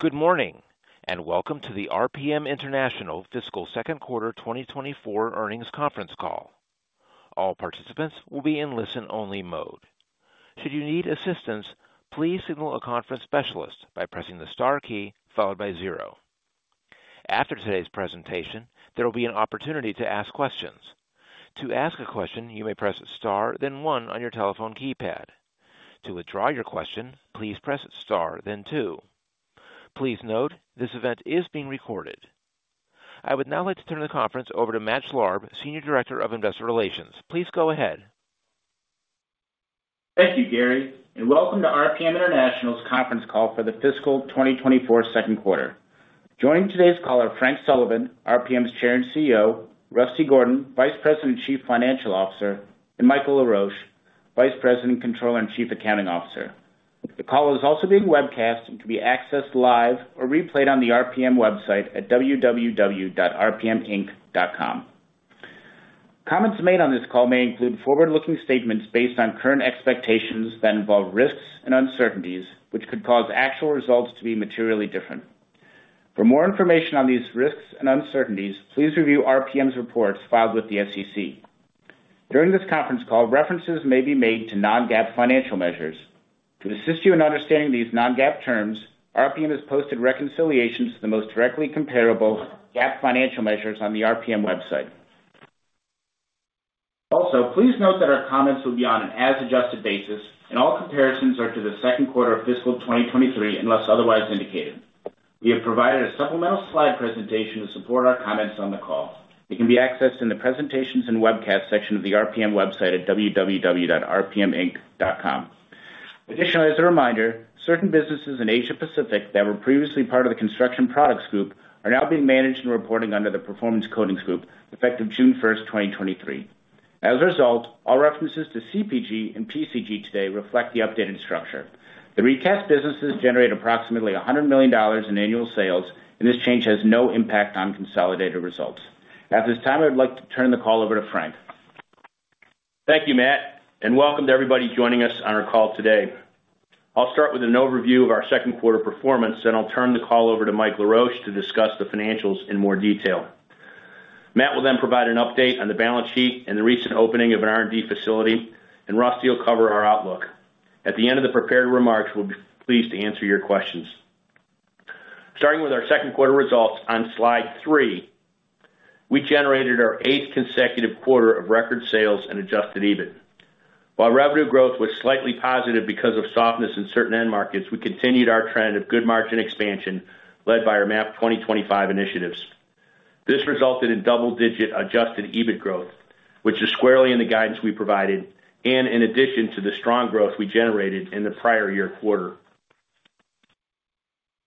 Good morning, and welcome to the RPM International Fiscal Second Quarter 2024 earnings conference Call. All participants will be in listen-only mode. Should you need assistance, please signal a conference specialist by pressing the star key followed by zero. After today's presentation, there will be an opportunity to ask questions. To ask a question, you may press star, then one on your telephone keypad. To withdraw your question, please press star, then two. Please note, this event is being recorded. I would now like to turn the conference over to Matt Schlarb, Senior Director of Investor Relations. Please go ahead. Thank you, Gary, and welcome to RPM International's conference call for the fiscal 2024 second quarter. Joining today's call are Frank Sullivan, RPM's Chair and CEO, Rusty Gordon, Vice President and Chief Financial Officer, and Michael Laroche, Vice President, Controller, and Chief Accounting Officer. The call is also being webcast and can be accessed live or replayed on the RPM website at www.rpminc.com. Comments made on this call may include forward-looking statements based on current expectations that involve risks and uncertainties, which could cause actual results to be materially different. For more information on these risks and uncertainties, please review RPM's reports filed with the SEC. During this conference call, references may be made to non-GAAP financial measures. To assist you in understanding these non-GAAP terms, RPM has posted reconciliations to the most directly comparable GAAP financial measures on the RPM website. Also, please note that our comments will be on an as-adjusted basis, and all comparisons are to the second quarter of fiscal 2023, unless otherwise indicated. We have provided a supplemental slide presentation to support our comments on the call. It can be accessed in the Presentations and Webcast section of the RPM website at www.rpminc.com. Additionally, as a reminder, certain businesses in Asia Pacific that were previously part of the Construction Products Group are now being managed and reporting under the Performance Coatings Group, effective June 1, 2023. As a result, all references to CPG and PCG today reflect the updated structure. The recast businesses generate approximately $100 million in annual sales, and this change has no impact on consolidated results. At this time, I'd like to turn the call over to Frank. Thank you, Matt, and welcome to everybody joining us on our call today. I'll start with an overview of our second quarter performance, then I'll turn the call over to Mike Laroche to discuss the financials in more detail. Matt will then provide an update on the balance sheet and the recent opening of an R&D facility, and Rusty will cover our outlook. At the end of the prepared remarks, we'll be pleased to answer your questions. Starting with our second quarter results on slide 3, we generated our eighth consecutive quarter of record sales and adjusted EBIT. While revenue growth was slightly positive because of softness in certain end markets, we continued our trend of good margin expansion, led by our MAP 2025 initiatives. This resulted in double-digit adjusted EBIT growth, which is squarely in the guidance we provided, and in addition to the strong growth we generated in the prior year quarter.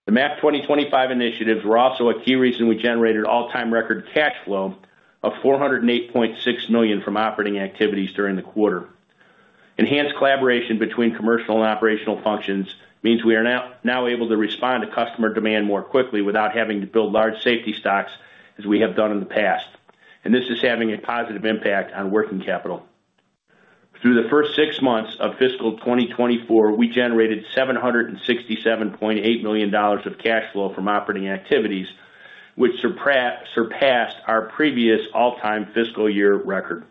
The MAP 2025 initiatives were also a key reason we generated all-time record cash flow of $408.6 million from operating activities during the quarter. Enhanced collaboration between commercial and operational functions means we are now able to respond to customer demand more quickly without having to build large safety stocks as we have done in the past, and this is having a positive impact on working capital. Through the first six months of fiscal 2024, we generated $767.8 million of cash flow from operating activities, which surpassed our previous all-time fiscal year record.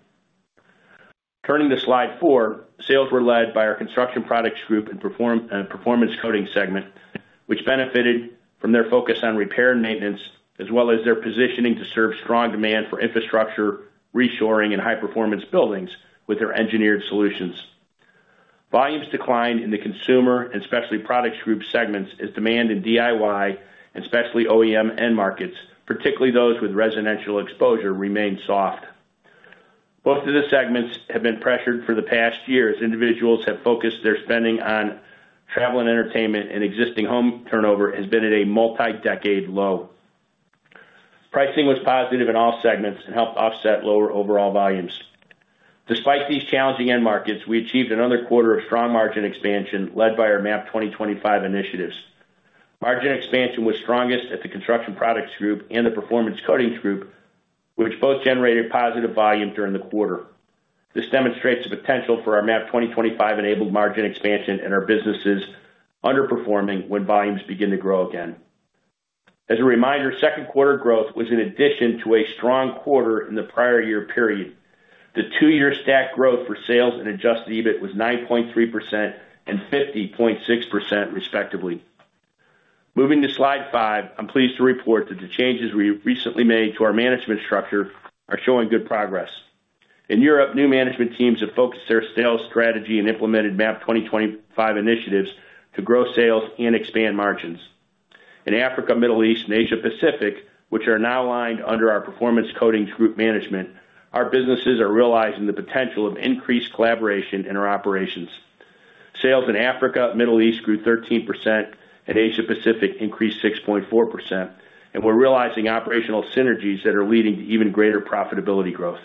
Turning to slide 4, sales were led by our Construction Products Group and Performance Coatings segment, which benefited from their focus on repair and maintenance, as well as their positioning to serve strong demand for infrastructure, reshoring, and high-performance buildings with their engineered solutions. Volumes declined in the Consumer and Specialty Products Group segments as demand in DIY, especially OEM end markets, particularly those with residential exposure, remained soft. Both of the segments have been pressured for the past year, as individuals have focused their spending on travel and entertainment, and existing home turnover has been at a multi-decade low. Pricing was positive in all segments and helped offset lower overall volumes. Despite these challenging end markets, we achieved another quarter of strong margin expansion, led by our MAP 2025 initiatives. Margin expansion was strongest at the Construction Products Group and the Performance Coatings Group, which both generated positive volume during the quarter. This demonstrates the potential for our MAP 2025-enabled margin expansion and our businesses underperforming when volumes begin to grow again. As a reminder, second quarter growth was in addition to a strong quarter in the prior year period. The two-year stack growth for sales and Adjusted EBIT was 9.3% and 50.6% respectively. Moving to slide 5, I'm pleased to report that the changes we recently made to our management structure are showing good progress. In Europe, new management teams have focused their sales strategy and implemented MAP 2025 initiatives to grow sales and expand margins. In Africa, Middle East, and Asia Pacific, which are now aligned under our Performance Coatings Group management, our businesses are realizing the potential of increased collaboration in our operations. Sales in Africa, Middle East grew 13%, and Asia Pacific increased 6.4%, and we're realizing operational synergies that are leading to even greater profitability growth.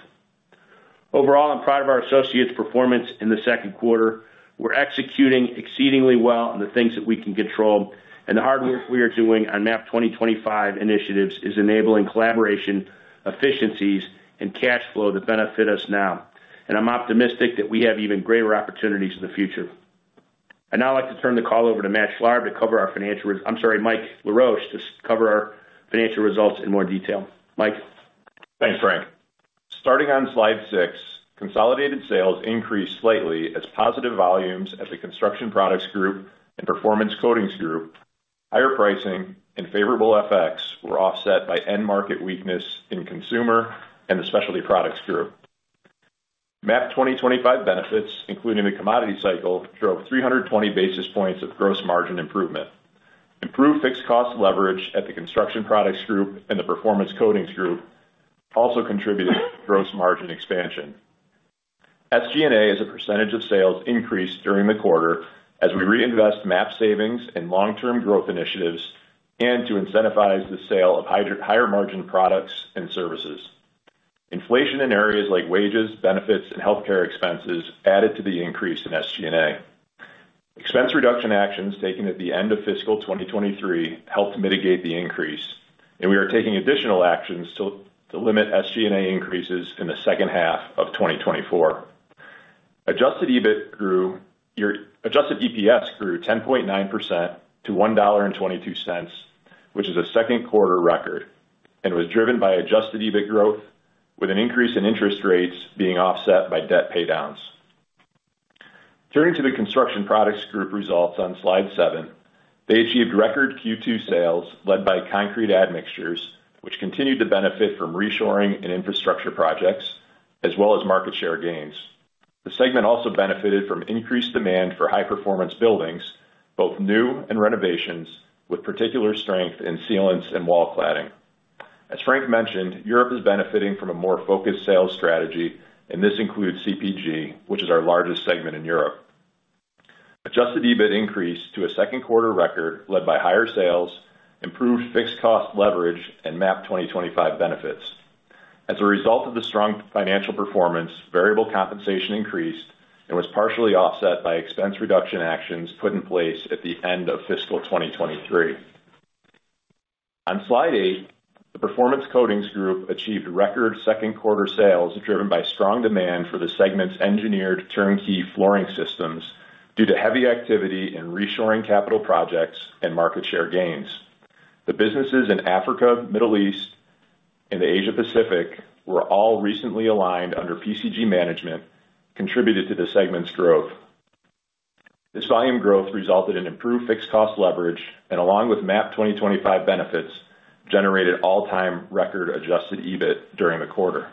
Overall, I'm proud of our associates' performance in the second quarter. We're executing exceedingly well on the things that we can control, and the hard work we are doing on MAP 2025 initiatives is enabling collaboration, efficiencies, and cash flow that benefit us now. And I'm optimistic that we have even greater opportunities in the future.... I'd now like to turn the call over to Matt Schlarb to cover our financial res-- I'm sorry, Michael Laroche, to cover our financial results in more detail. Mike? Thanks, Frank. Starting on Slide 6, consolidated sales increased slightly as positive volumes at the Construction Products Group and Performance Coatings Group, higher pricing, and favorable FX were offset by end market weakness in Consumer and the Specialty Products Group. MAP 2025 benefits, including the commodity cycle, drove 320 basis points of gross margin improvement. Improved fixed cost leverage at the Construction Products Group and the Performance Coatings Group also contributed to gross margin expansion. SG&A, as a percentage of sales, increased during the quarter as we reinvest MAP savings and long-term growth initiatives and to incentivize the sale of higher-margin products and services. Inflation in areas like wages, benefits, and healthcare expenses added to the increase in SG&A. Expense reduction actions taken at the end of fiscal 2023 helped mitigate the increase, and we are taking additional actions to limit SG&A increases in the second half of 2024. Adjusted EBIT grew—your adjusted EPS grew 10.9% to $1.22, which is a second quarter record, and was driven by adjusted EBIT growth, with an increase in interest rates being offset by debt paydowns. Turning to the Construction Products Group results on Slide 7, they achieved record Q2 sales led by concrete admixtures, which continued to benefit from reshoring and infrastructure projects, as well as market share gains. The segment also benefited from increased demand for high-performance buildings, both new and renovations, with particular strength in sealants and wall cladding. As Frank mentioned, Europe is benefiting from a more focused sales strategy, and this includes CPG, which is our largest segment in Europe. Adjusted EBIT increased to a second quarter record, led by higher sales, improved fixed cost leverage, and MAP 2025 benefits. As a result of the strong financial performance, variable compensation increased and was partially offset by expense reduction actions put in place at the end of fiscal 2023. On Slide 8, the Performance Coatings Group achieved record second quarter sales, driven by strong demand for the segment's engineered turnkey flooring systems due to heavy activity in reshoring capital projects and market share gains. The businesses in Africa, Middle East, and Asia Pacific were all recently aligned under PCG management, contributed to the segment's growth. This volume growth resulted in improved fixed cost leverage, and along with MAP 2025 benefits, generated all-time record adjusted EBIT during the quarter.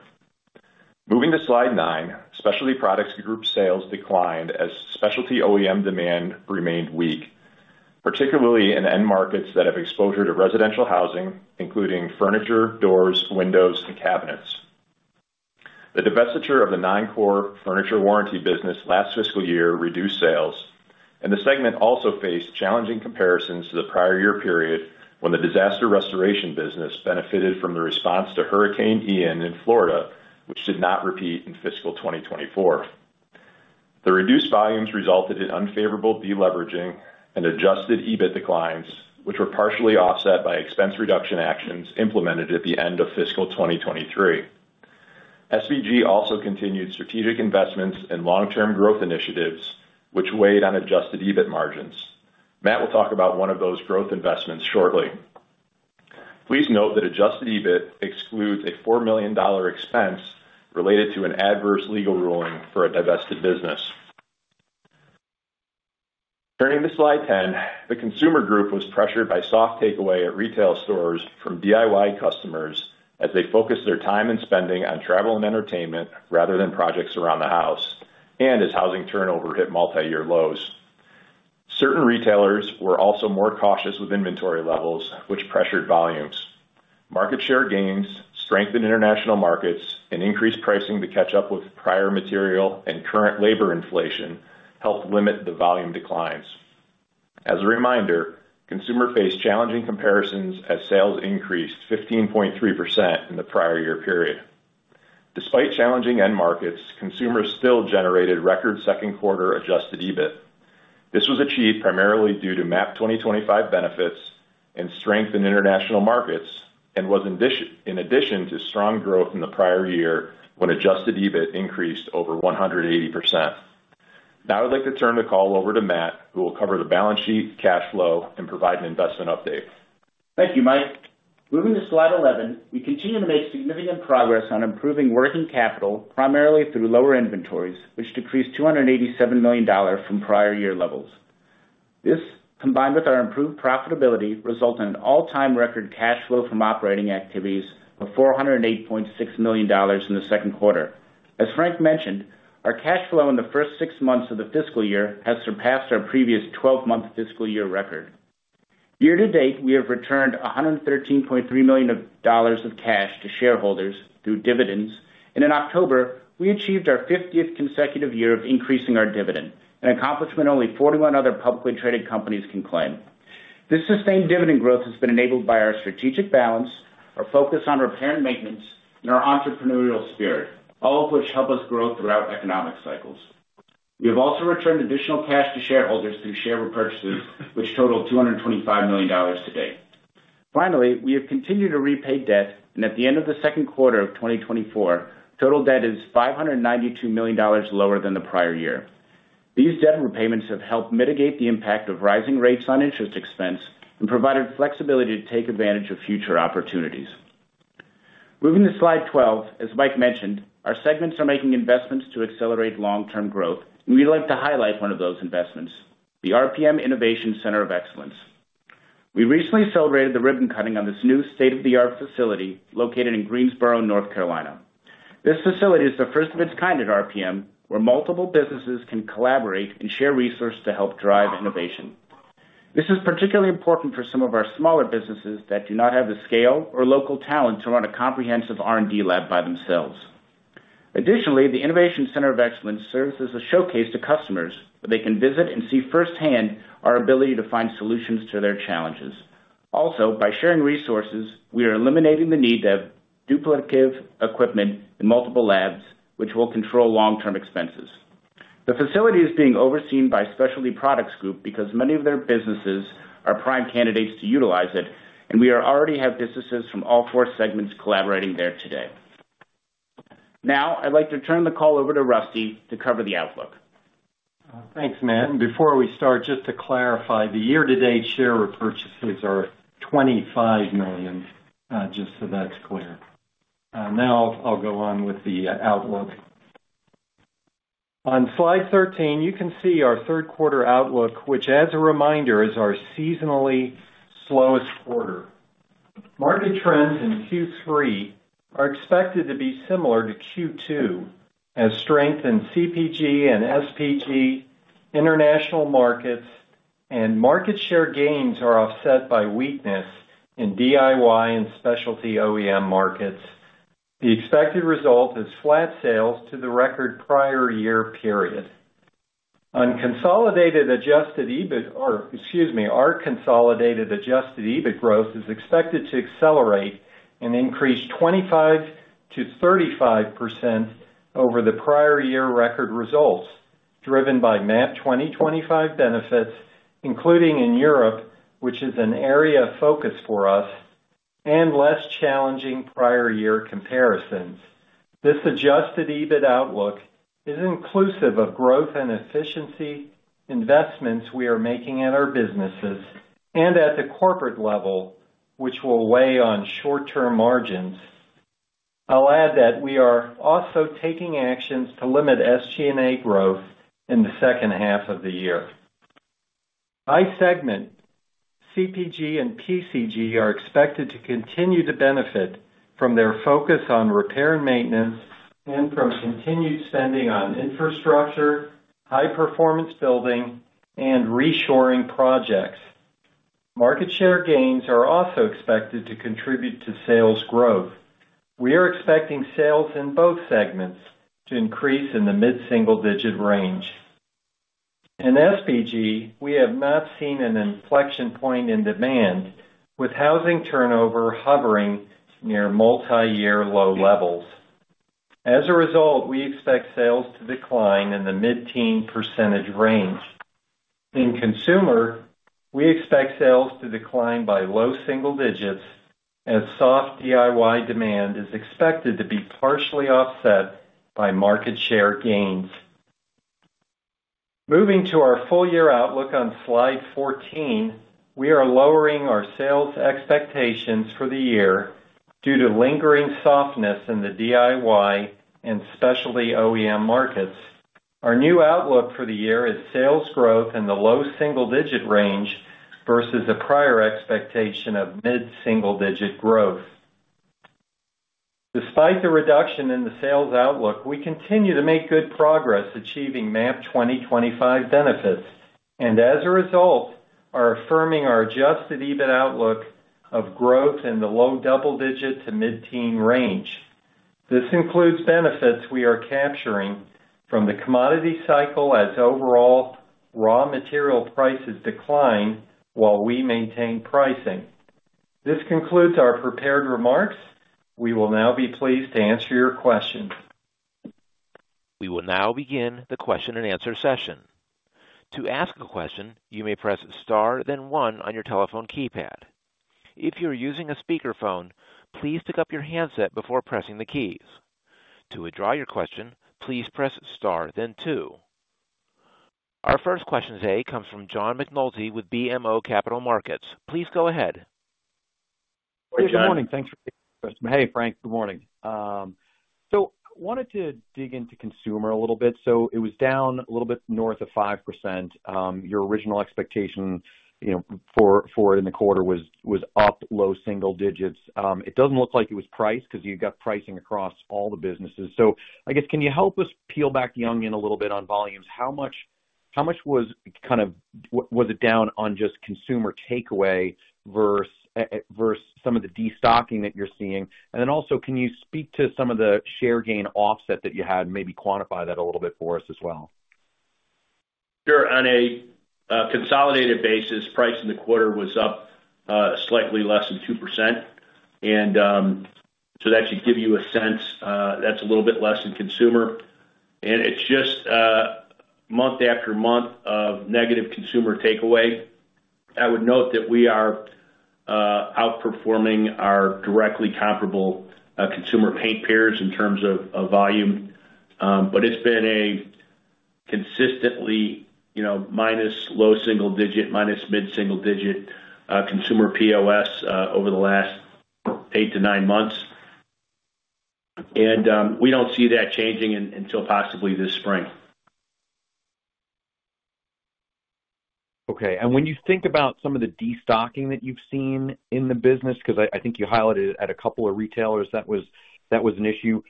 Moving to Slide 9, Specialty Products Group sales declined as specialty OEM demand remained weak, particularly in end markets that have exposure to residential housing, including furniture, doors, windows, and cabinets. The divestiture of the non-core furniture warranty business last fiscal year reduced sales, and the segment also faced challenging comparisons to the prior year period when the disaster restoration business benefited from the response to Hurricane Ian in Florida, which did not repeat in fiscal 2024. The reduced volumes resulted in unfavorable deleveraging and adjusted EBIT declines, which were partially offset by expense reduction actions implemented at the end of fiscal 2023. SPG also continued strategic investments in long-term growth initiatives, which weighed on adjusted EBIT margins. Matt will talk about one of those growth investments shortly. Please note that adjusted EBIT excludes a $4 million expense related to an adverse legal ruling for a divested business. Turning to Slide 10, the Consumer Group was pressured by soft takeaway at retail stores from DIY customers as they focused their time and spending on travel and entertainment rather than projects around the house, and as housing turnover hit multi-year lows. Certain retailers were also more cautious with inventory levels, which pressured volumes. Market share gains, strength in international markets, and increased pricing to catch up with prior material and current labor inflation helped limit the volume declines. As a reminder, Consumer faced challenging comparisons as sales increased 15.3% in the prior year period. Despite challenging end markets, Consumers still generated record second quarter adjusted EBIT. This was achieved primarily due to MAP 2025 benefits and strength in international markets and was in addition to strong growth in the prior year, when adjusted EBIT increased over 180%. Now I'd like to turn the call over to Matt, who will cover the balance sheet, cash flow, and provide an investment update. Thank you, Mike. Moving to Slide 11, we continue to make significant progress on improving working capital, primarily through lower inventories, which decreased $287 million from prior year levels. This, combined with our improved profitability, resulted in an all-time record cash flow from operating activities of $408.6 million in the second quarter. As Frank mentioned, our cash flow in the first six months of the fiscal year has surpassed our previous 12-month fiscal year record. Year to date, we have returned $113.3 million of dollars of cash to shareholders through dividends, and in October, we achieved our 50th consecutive year of increasing our dividend, an accomplishment only 41 other publicly traded companies can claim. This sustained dividend growth has been enabled by our strategic balance, our focus on repair and maintenance, and our entrepreneurial spirit, all of which help us grow throughout economic cycles. We have also returned additional cash to shareholders through share repurchases, which totaled $225 million to date. Finally, we have continued to repay debt, and at the end of the second quarter of 2024, total debt is $592 million lower than the prior year. These debt repayments have helped mitigate the impact of rising rates on interest expense and provided flexibility to take advantage of future opportunities. Moving to slide 12, as Mike mentioned, our segments are making investments to accelerate long-term growth. We'd like to highlight one of those investments, the RPM Innovation Center of Excellence. We recently celebrated the ribbon cutting on this new state-of-the-art facility located in Greensboro, North Carolina. This facility is the first of its kind at RPM, where multiple businesses can collaborate and share resources to help drive innovation. This is particularly important for some of our smaller businesses that do not have the scale or local talent to run a comprehensive R&D lab by themselves. Additionally, the Innovation Center of Excellence serves as a showcase to customers, where they can visit and see firsthand our ability to find solutions to their challenges. Also, by sharing resources, we are eliminating the need to have duplicative equipment in multiple labs, which will control long-term expenses. The facility is being overseen by Specialty Products Group, because many of their businesses are prime candidates to utilize it, and we already have businesses from all four segments collaborating there today. Now, I'd like to turn the call over to Rusty to cover the outlook. Thanks, Matt. Before we start, just to clarify, the year-to-date share repurchases are $25 million, just so that's clear. Now, I'll go on with the outlook. On slide 13, you can see our third quarter outlook, which, as a reminder, is our seasonally slowest quarter. Market trends in Q3 are expected to be similar to Q2, as strength in CPG and SPG, international markets, and market share gains are offset by weakness in DIY and specialty OEM markets. The expected result is flat sales to the record prior year period. On consolidated adjusted EBIT, or excuse me, our consolidated adjusted EBIT growth is expected to accelerate and increase 25%-35% over the prior year record results, driven by MAP 2025 benefits, including in Europe, which is an area of focus for us, and less challenging prior year comparisons. This adjusted EBIT outlook is inclusive of growth and efficiency investments we are making in our businesses and at the corporate level, which will weigh on short-term margins. I'll add that we are also taking actions to limit SG&A growth in the second half of the year. By segment, CPG and PCG are expected to continue to benefit from their focus on repair and maintenance and from continued spending on infrastructure, high performance building, and reshoring projects. Market share gains are also expected to contribute to sales growth. We are expecting sales in both segments to increase in the mid-single digit range. In SPG, we have not seen an inflection point in demand, with housing turnover hovering near multiyear low levels. As a result, we expect sales to decline in the mid-teen percentage range. In Consumer, we expect sales to decline by low single digits, as soft DIY demand is expected to be partially offset by market share gains. Moving to our full year outlook on slide 14, we are lowering our sales expectations for the year due to lingering softness in the DIY and specialty OEM markets. Our new outlook for the year is sales growth in the low single digit range versus a prior expectation of mid-single digit growth. Despite the reduction in the sales outlook, we continue to make good progress achieving MAP 2025 benefits, and as a result, are affirming our adjusted EBIT outlook of growth in the low double digit to mid-teen range. This includes benefits we are capturing from the commodity cycle as overall raw material prices decline while we maintain pricing. This concludes our prepared remarks. We will now be pleased to answer your questions. We will now begin the question-and-answer session. To ask a question, you may press star, then one on your telephone keypad. If you are using a speakerphone, please pick up your handset before pressing the keys. To withdraw your question, please press star then two. Our first question today comes from John McNulty with BMO Capital Markets. Please go ahead. Good morning. Hey, Frank, good morning. So wanted to dig into Consumer a little bit. So it was down a little bit north of 5%. Your original expectation, you know, for in the quarter was up low single digits. It doesn't look like it was priced because you got pricing across all the businesses. So I guess, can you help us peel back the onion a little bit on volumes? How much was kind of was it down on just Consumer takeaway versus some of the destocking that you're seeing? And then also, can you speak to some of the share gain offset that you had and maybe quantify that a little bit for us as well? Sure. On a consolidated basis, price in the quarter was up slightly less than 2%. And so that should give you a sense, that's a little bit less in Consumer, and it's just month after month.... negative Consumer takeaway. I would note that we are outperforming our directly comparable Consumer paint peers in terms of volume. But it's been consistently, you know, minus low single digit, minus mid-single digit Consumer POS over the last eight to nine months. And we don't see that changing until possibly this spring. Okay. And when you think about some of the destocking that you've seen in the business, 'cause I think you highlighted at a couple of retailers, that was an issue.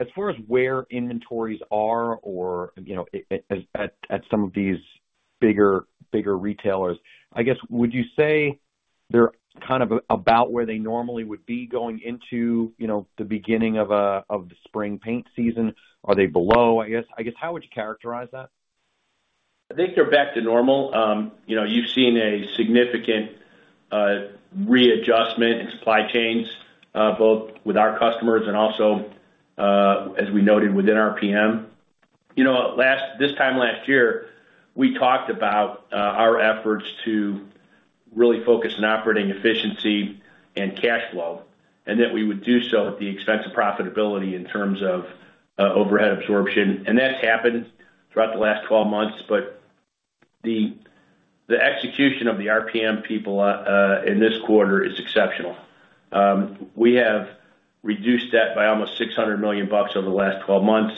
As far as where inventories are or, you know, at some of these bigger retailers, I guess, would you say they're kind of about where they normally would be going into, you know, the beginning of the spring paint season? Are they below, I guess? I guess, how would you characterize that? I think they're back to normal. You know, you've seen a significant readjustment in supply chains both with our customers and also, as we noted, within RPM. You know, this time last year, we talked about our efforts to really focus on operating efficiency and cash flow, and that we would do so at the expense of profitability in terms of overhead absorption, and that's happened throughout the last 12 months. But the execution of the RPM people in this quarter is exceptional. We have reduced that by almost $600 million over the last 12 months.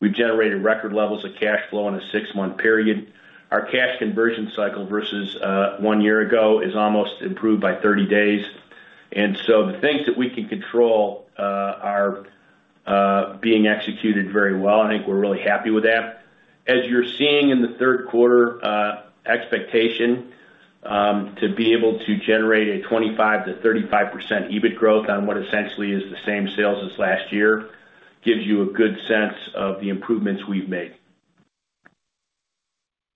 We've generated record levels of cash flow in a six-month period. Our cash conversion cycle versus 1 year ago is almost improved by 30 days. And so the things that we can control are being executed very well. I think we're really happy with that. As you're seeing in the third quarter expectation to be able to generate a 25%-35% EBIT growth on what essentially is the same sales as last year, gives you a good sense of the improvements we've made.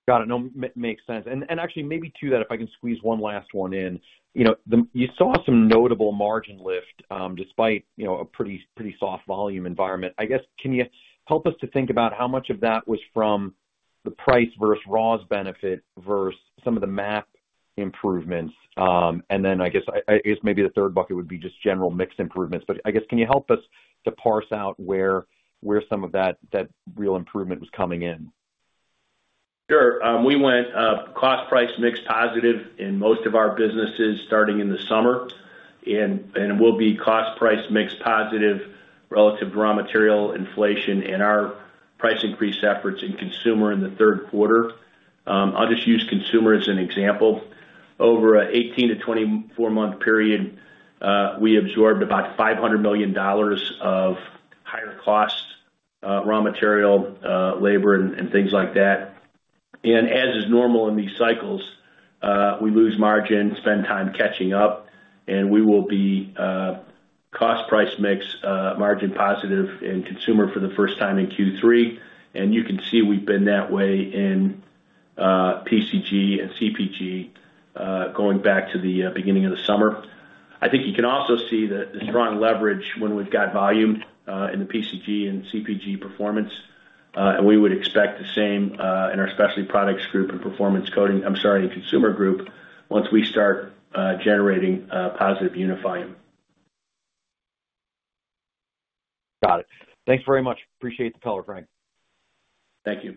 Got it. No, makes sense. And actually, maybe to that, if I can squeeze one last one in. You know, the... You saw some notable margin lift, despite, you know, a pretty, pretty soft volume environment. I guess, can you help us to think about how much of that was from the price versus raws benefit, versus some of the MAP improvements? And then I guess maybe the third bucket would be just general mixed improvements. But I guess, can you help us to parse out where some of that real improvement was coming in? Sure. We went cost price mix positive in most of our businesses, starting in the summer, and will be cost price mixed positive relative to raw material inflation and our price increase efforts in Consumer in the third quarter. I'll just use Consumer as an example. Over an 18- to 24-month period, we absorbed about $500 million of higher costs, raw material, labor, and things like that. And as is normal in these cycles, we lose margin, spend time catching up, and we will be cost price mix margin positive in Consumer for the first time in Q3. And you can see we've been that way in PCG and CPG going back to the beginning of the summer. I think you can also see the strong leverage when we've got volume in the PCG and CPG performance. And we would expect the same in our Specialty Products Group and Performance Coatings—I'm sorry, in Consumer Group, once we start generating positive unit volume. Got it. Thanks very much. Appreciate the call, Frank. Thank you.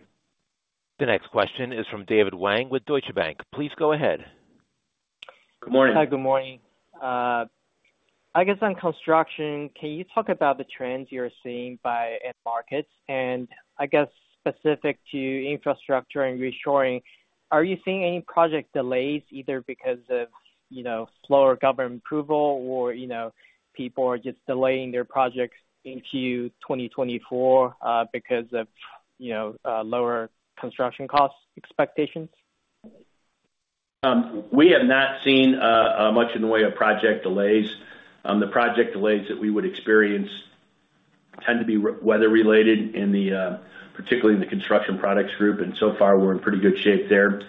The next question is from David Huang with Deutsche Bank. Please go ahead. Good morning. Hi, good morning. I guess on construction, can you talk about the trends you're seeing by end markets? And I guess, specific to infrastructure and reshoring, are you seeing any project delays, either because of, you know, slower government approval or, you know, people are just delaying their projects into 2024, because of, you know, lower construction costs expectations? We have not seen much in the way of project delays. The project delays that we would experience tend to be weather-related, particularly in the Construction Products Group, and so far, we're in pretty good shape there.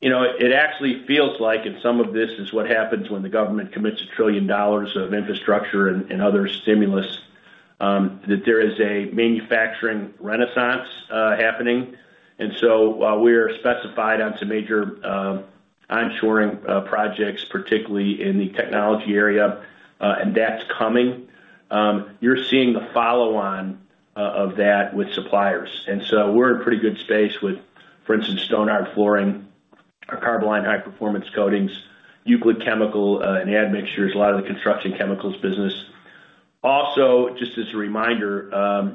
You know, it actually feels like, and some of this is what happens when the government commits $1 trillion of infrastructure and other stimulus, that there is a manufacturing renaissance happening. And so, we're specified on some major onshoring projects, particularly in the technology area, and that's coming. You're seeing the follow-on of that with suppliers, and so we're in a pretty good space with, for instance, Stonhard Flooring, our Carboline high-performance coatings, Euclid Chemical, and admixtures, a lot of the construction chemicals business. Also, just as a reminder,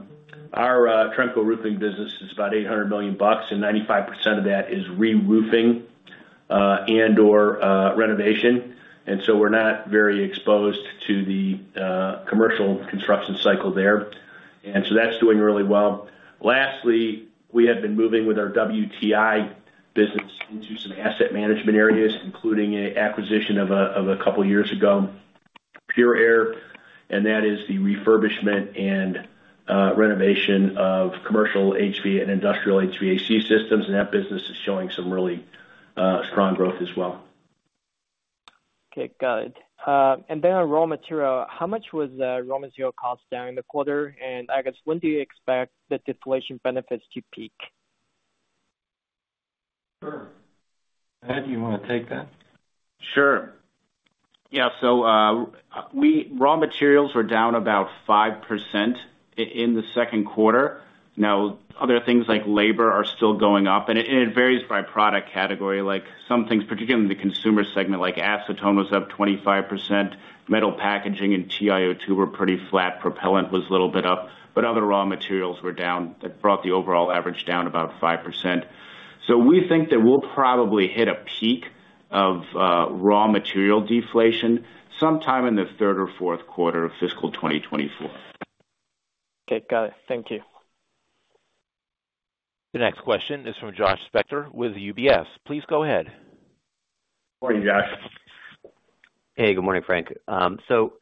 our Tremco Roofing business is about $800 million, and 95% of that is reroofing and/or renovation, and so we're not very exposed to the commercial construction cycle there. And so that's doing really well. Lastly, we have been moving with our WTI business into some asset management areas, including an acquisition of a couple years ago, Pure Air, and that is the refurbishment and renovation of commercial HVAC and industrial HVAC systems, and that business is showing some really strong growth as well.... Okay, got it. And then on raw material, how much was the raw material cost down in the quarter? And I guess, when do you expect the deflation benefits to peak? Sure. Matt, do you wanna take that? Sure. Yeah, so, raw materials were down about 5% in the second quarter. Now, other things like labor are still going up, and it varies by product category. Like, some things, particularly in the Consumer segment, like acetone, was up 25%. Metal packaging and TiO2 were pretty flat. Propellant was a little bit up, but other raw materials were down. That brought the overall average down about 5%. So we think that we'll probably hit a peak of raw material deflation sometime in the third or fourth quarter of fiscal 2024. Okay, got it. Thank you. The next question is from Josh Spector with UBS. Please go ahead. Morning, Josh. Hey, good morning, Frank. So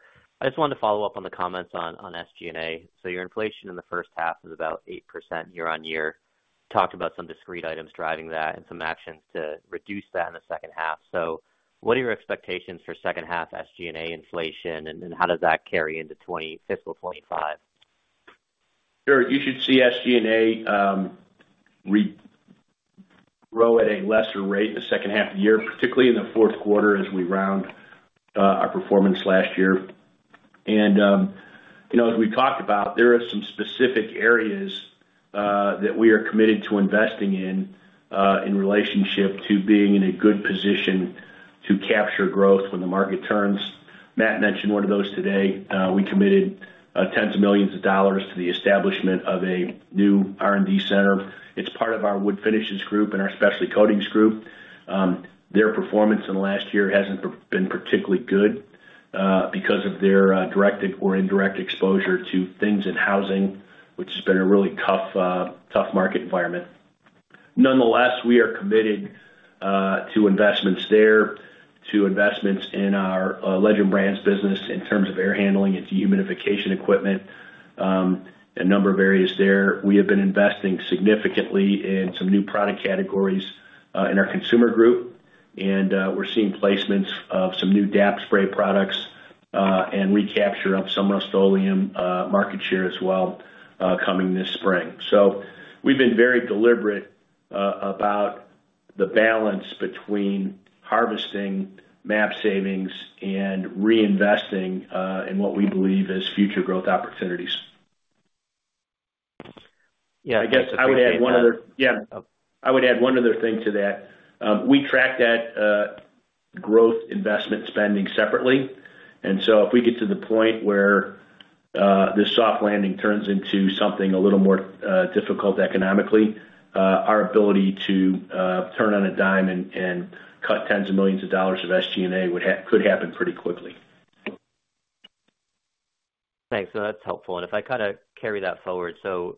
I just wanted to follow up on the comments on SG&A. So your inflation in the first half is about 8% year-on-year. Talked about some discrete items driving that and some actions to reduce that in the second half. So what are your expectations for second half SG&A inflation, and then how does that carry into fiscal 2025? Sure. You should see SG&A regrow at a lesser rate in the second half of the year, particularly in the fourth quarter, as we round our performance last year. You know, as we talked about, there are some specific areas that we are committed to investing in, in relationship to being in a good position to capture growth when the market turns. Matt mentioned one of those today. We committed tens of millions of dollars to the establishment of a new R&D center. It's part of our wood finishes group and our specialty coatings group. Their performance in the last year hasn't been particularly good, because of their direct or indirect exposure to things in housing, which has been a really tough tough market environment. Nonetheless, we are committed to investments there, to investments in our Legend Brands business in terms of air handling, its humidification equipment, a number of areas there. We have been investing significantly in some new product categories in our Consumer Group, and we're seeing placements of some new DAP spray products, and recapture of some Rust-Oleum market share as well coming this spring. So we've been very deliberate about the balance between harvesting MAP savings and reinvesting in what we believe is future growth opportunities. Yeah, I guess- I would add one other thing to that. We track that growth investment spending separately, and so if we get to the point where this soft landing turns into something a little more difficult economically, our ability to turn on a dime and cut tens of millions of dollars of SG&A could happen pretty quickly. Thanks. So that's helpful. And if I kind of carry that forward, so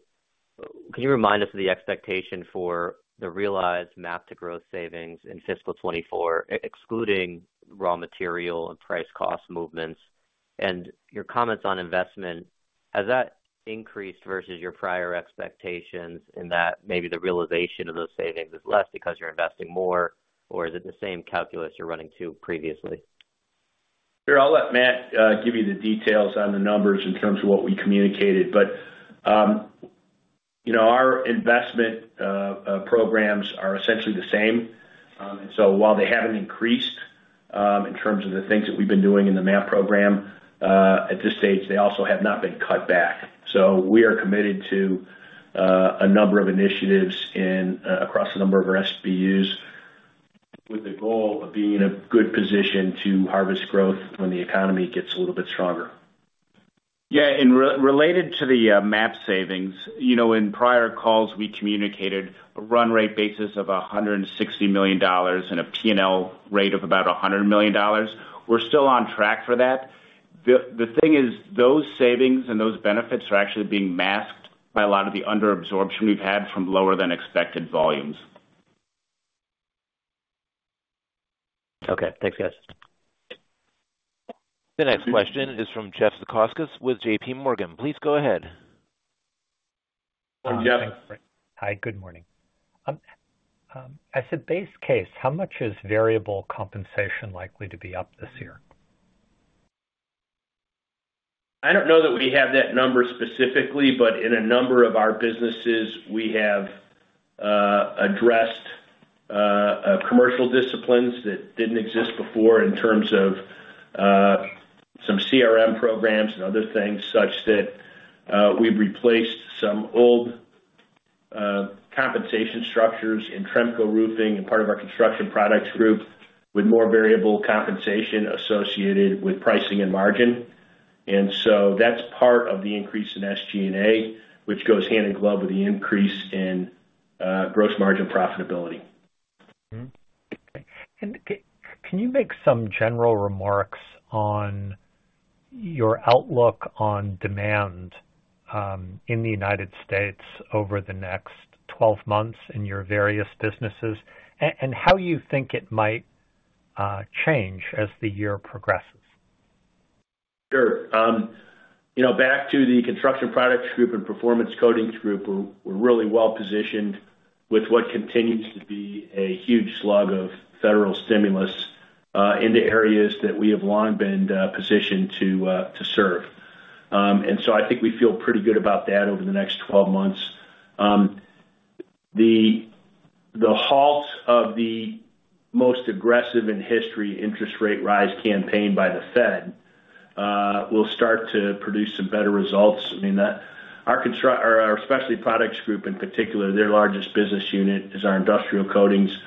can you remind us of the expectation for the realized MAP to Growth savings in fiscal 2024, excluding raw material and price cost movements? And your comments on investment, has that increased versus your prior expectations in that maybe the realization of those savings is less because you're investing more, or is it the same calculus you're running to previously? Sure. I'll let Matt give you the details on the numbers in terms of what we communicated. But, you know, our investment programs are essentially the same. And so while they haven't increased, in terms of the things that we've been doing in the MAP program, at this stage, they also have not been cut back. So we are committed to a number of initiatives in across a number of our SBUs, with the goal of being in a good position to harvest growth when the economy gets a little bit stronger. Yeah, and related to the MAP savings, you know, in prior calls, we communicated a run rate basis of $160 million and a P&L rate of about $100 million. We're still on track for that. The thing is, those savings and those benefits are actually being masked by a lot of the underabsorption we've had from lower than expected volumes. Okay. Thanks, guys. The next question is from Jeff Zekauskas with JP Morgan. Please go ahead. Yeah. Hi, good morning. As a base case, how much is variable compensation likely to be up this year? I don't know that we have that number specifically, but in a number of our businesses, we have addressed commercial disciplines that didn't exist before in terms of some CRM programs and other things such that we've replaced some old compensation structures in Tremco Roofing and part of our Construction Products Group, with more variable compensation associated with pricing and margin. And so that's part of the increase in SG&A, which goes hand in glove with the increase in gross margin profitability. Mm-hmm. Okay. Can you make some general remarks on your outlook on demand in the United States over the next 12 months in your various businesses, and how you think it might change as the year progresses?... Sure. You know, back to the Construction Products Group and Performance Coatings Group, we're really well positioned with what continues to be a huge slug of federal stimulus in the areas that we have long been positioned to serve. And so I think we feel pretty good about that over the next 12 months. The halt of the most aggressive in history interest rate rise campaign by the Fed will start to produce some better results. I mean, our Specialty Products Group, in particular, their largest business unit is our industrial coatings.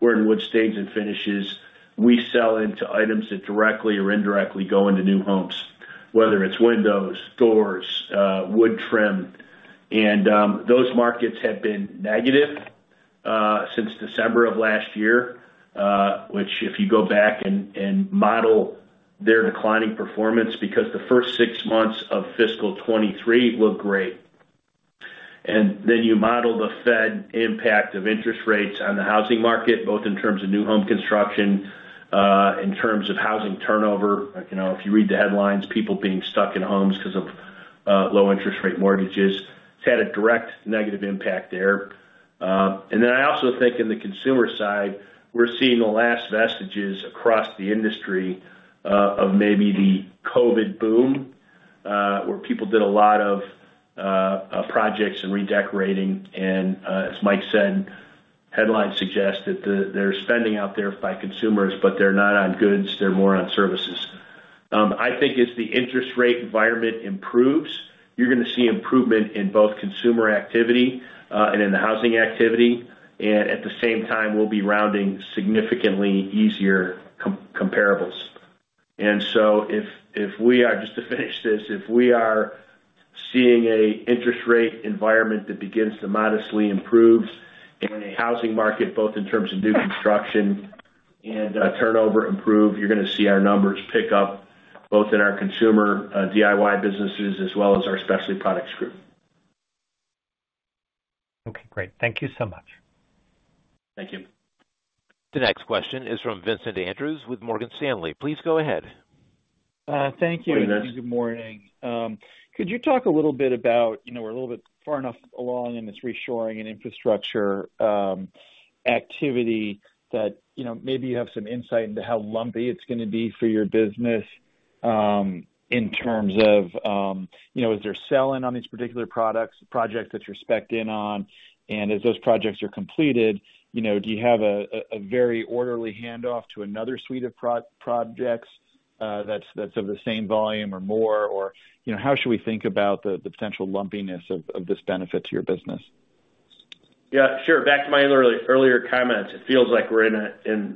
We're in wood stains and finishes. We sell into items that directly or indirectly go into new homes, whether it's windows, doors, wood trim, and those markets have been negative since December of last year, which, if you go back and model their declining performance, because the first six months of fiscal 2023 looked great. And then you model the Fed impact of interest rates on the housing market, both in terms of new home construction, in terms of housing turnover, you know, if you read the headlines, people being stuck in homes because of low interest rate mortgages. It's had a direct negative impact there. And then I also think in the Consumer side, we're seeing the last vestiges across the industry of maybe the COVID boom, where people did a lot of projects and redecorating, and, as Mike said, headlines suggest that there's spending out there by Consumers, but they're not on goods, they're more on services. I think as the interest rate environment improves, you're gonna see improvement in both Consumer activity and in the housing activity, and at the same time, we'll be rounding significantly easier comparables. And so if we are... Just to finish this, if we are seeing an interest rate environment that begins to modestly improve and a housing market, both in terms of new construction and, turnover improve, you're gonna see our numbers pick up, both in our Consumer, DIY businesses, as well as our Specialty Products Group. Okay, great. Thank you so much. Thank you. The next question is from Vincent Andrews with Morgan Stanley. Please go ahead. Thank you. Good morning. Good morning. Could you talk a little bit about, you know, we're a little bit far enough along in this reshoring and infrastructure activity that, you know, maybe you have some insight into how lumpy it's gonna be for your business, in terms of, you know, is there sell-in on these particular products, projects that you're spec'd in on? And as those projects are completed, you know, do you have a very orderly handoff to another suite of projects that's of the same volume or more? Or, you know, how should we think about the potential lumpiness of this benefit to your business? Yeah, sure. Back to my earlier, earlier comments, it feels like we're in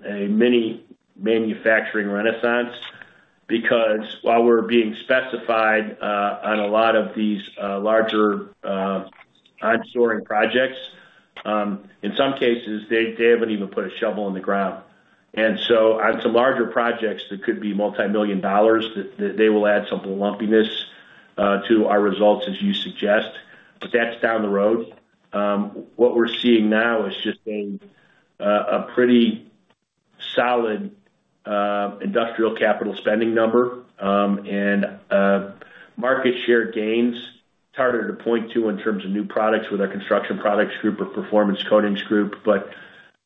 a mini manufacturing renaissance, because while we're being specified on a lot of these larger onshoring projects, in some cases, they haven't even put a shovel in the ground. So on some larger projects, that could be multi-million dollar, that they will add some lumpiness to our results, as you suggest, but that's down the road. What we're seeing now is just a pretty solid industrial capital spending number, and market share gains. It's harder to point to in terms of new products with our Construction Products group or Performance Coatings Group, but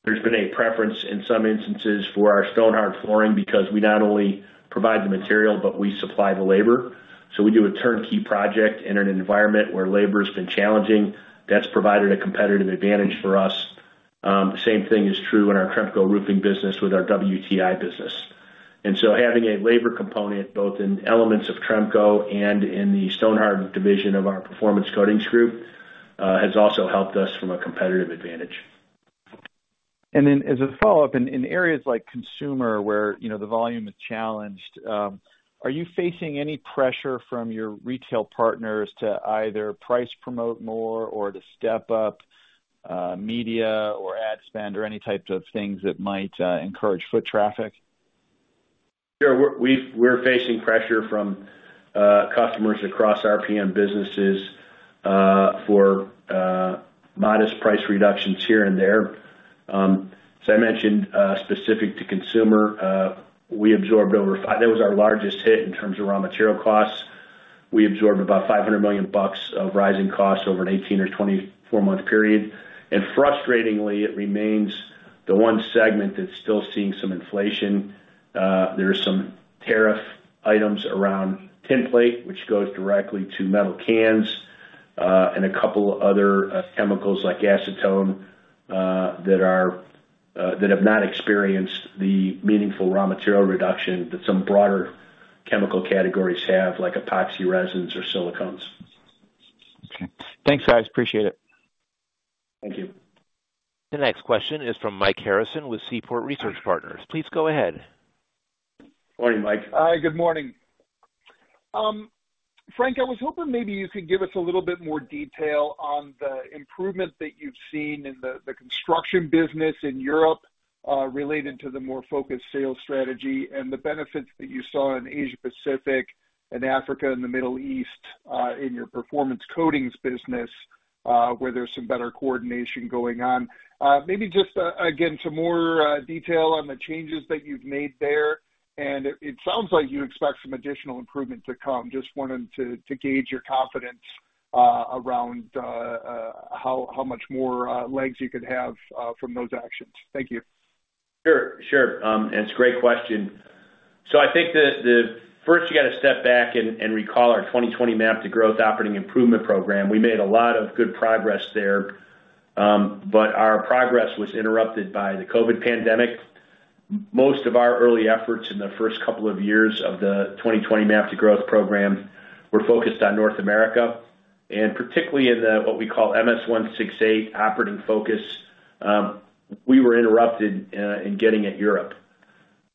there's been a preference in some instances for our Stonhard flooring, because we not only provide the material, but we supply the labor. So we do a turnkey project in an environment where labor has been challenging. That's provided a competitive advantage for us. The same thing is true in our Tremco Roofing business with our WTI business. So having a labor component, both in elements of Tremco and in the Stonhard division of our Performance Coatings Group, has also helped us from a competitive advantage. Then, as a follow-up, in areas like Consumer, where, you know, the volume is challenged, are you facing any pressure from your retail partners to either price promote more or to step up, media or ad spend or any types of things that might encourage foot traffic? Sure. We're facing pressure from customers across RPM businesses for modest price reductions here and there. As I mentioned, specific to Consumer, we absorbed, that was our largest hit in terms of raw material costs, about $500 million of rising costs over an 18 or 24 month period, and frustratingly, it remains the one segment that's still seeing some inflation. There are some tariff items around tinplate, which goes directly to metal cans, and a couple other chemicals like acetone that have not experienced the meaningful raw material reduction that some broader chemical categories have, like epoxy resins or silicones. Okay. Thanks, guys. Appreciate it. Thank you. The next question is from Mike Harrison with Seaport Research Partners. Please go ahead. Morning, Mike. Hi, good morning. Frank, I was hoping maybe you could give us a little bit more detail on the improvement that you've seen in the construction business in Europe, related to the more focused sales strategy and the benefits that you saw in Asia Pacific and Africa and the Middle East, in your Performance Coatings business. Maybe just again some more detail on the changes that you've made there. And it sounds like you expect some additional improvement to come. Just wanted to gauge your confidence around how much more legs you could have from those actions. Thank you. Sure, sure. And it's a great question. So I think the first, you gotta step back and recall our 2020 MAP to Growth Operating Improvement program. We made a lot of good progress there, but our progress was interrupted by the COVID pandemic. Most of our early efforts in the first couple of years of the 2020 MAP to Growth program were focused on North America, and particularly in the what we call MS168 operating focus, we were interrupted in getting at Europe.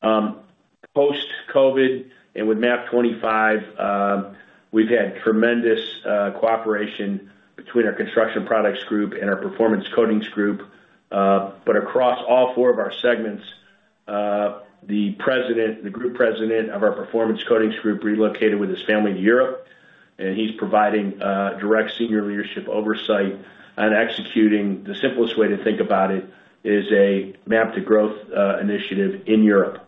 Post-COVID, and with MAP 25, we've had tremendous cooperation between our Construction Products Group and our Performance Coatings Group. But across all 4 of our segments, the president, the Group President of our Performance Coatings Group relocated with his family to Europe, and he's providing direct senior leadership oversight on executing... The simplest way to think about it is a MAP to Growth initiative in Europe.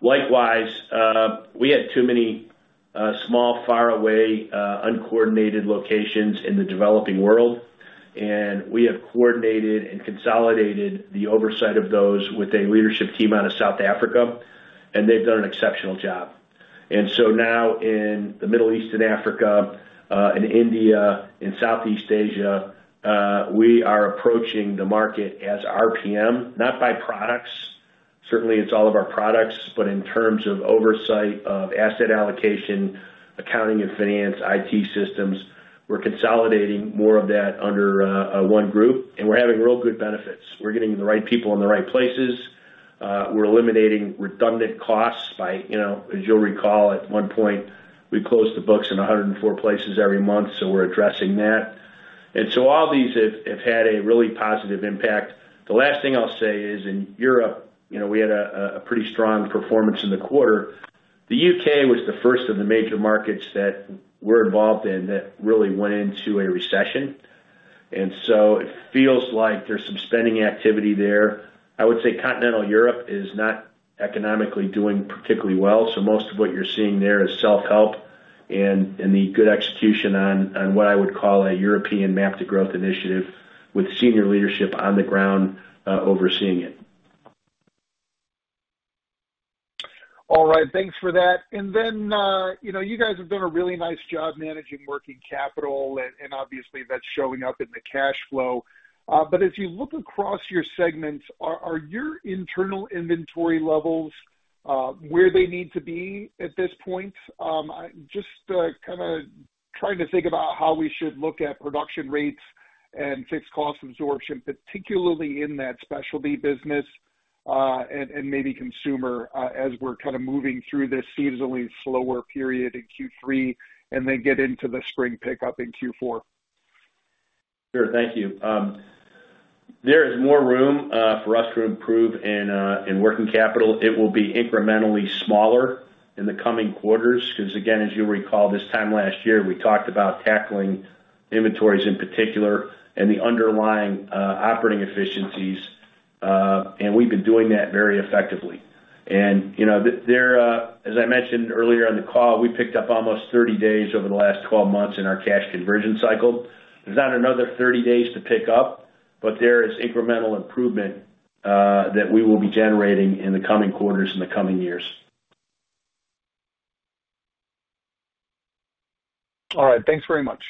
Likewise, we had too many, small, far away, uncoordinated locations in the developing world, and we have coordinated and consolidated the oversight of those with a leadership team out of South Africa, and they've done an exceptional job. And so now in the Middle East and Africa, in India, in Southeast Asia, we are approaching the market as RPM, not by products. Certainly, it's all of our products, but in terms of oversight of asset allocation, accounting and finance, IT systems, we're consolidating more of that under one group, and we're having real good benefits. We're getting the right people in the right places. We're eliminating redundant costs by, you know, as you'll recall, at one point, we closed the books in 104 places every month, so we're addressing that. And so all these have had a really positive impact. The last thing I'll say is, in Europe, you know, we had a pretty strong performance in the quarter. The U.K. was the first of the major markets that we're involved in that really went into a recession, and so it feels like there's some spending activity there. I would say continental Europe is not economically doing particularly well, so most of what you're seeing there is self-help and the good execution on what I would call a European MAP to Growth initiative, with senior leadership on the ground, overseeing it. All right. Thanks for that. And then, you know, you guys have done a really nice job managing working capital, and obviously, that's showing up in the cash flow. But as you look across your segments, are your internal inventory levels where they need to be at this point? I just kind of trying to think about how we should look at production rates and fixed cost absorption, particularly in that specialty business, and maybe Consumer, as we're kind of moving through this seasonally slower period in Q3, and then get into the spring pickup in Q4. Sure. Thank you. There is more room for us to improve in working capital. It will be incrementally smaller in the coming quarters, 'cause again, as you'll recall, this time last year, we talked about tackling inventories in particular and the underlying operating efficiencies, and we've been doing that very effectively. And, you know, there, as I mentioned earlier on the call, we picked up almost 30 days over the last 12 months in our cash conversion cycle. There's not another 30 days to pick up, but there is incremental improvement that we will be generating in the coming quarters, in the coming years. All right. Thanks very much.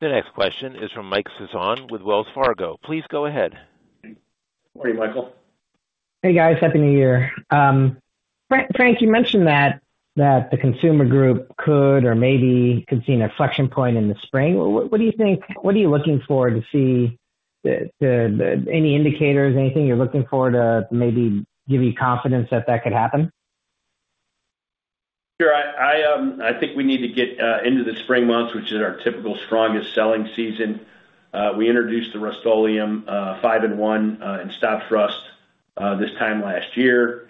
The next question is from Mike Sisson with Wells Fargo. Please go ahead. Morning, Mike. Hey, guys, happy New Year. Frank, you mentioned that the Consumer Group could or maybe could see an inflection point in the spring. What do you think? What are you looking for to see any indicators, anything you're looking for to maybe give you confidence that that could happen? Sure. I think we need to get into the spring months, which is our typical strongest selling season. We introduced the Rust-Oleum 5-in-1 and Stops Rust this time last year.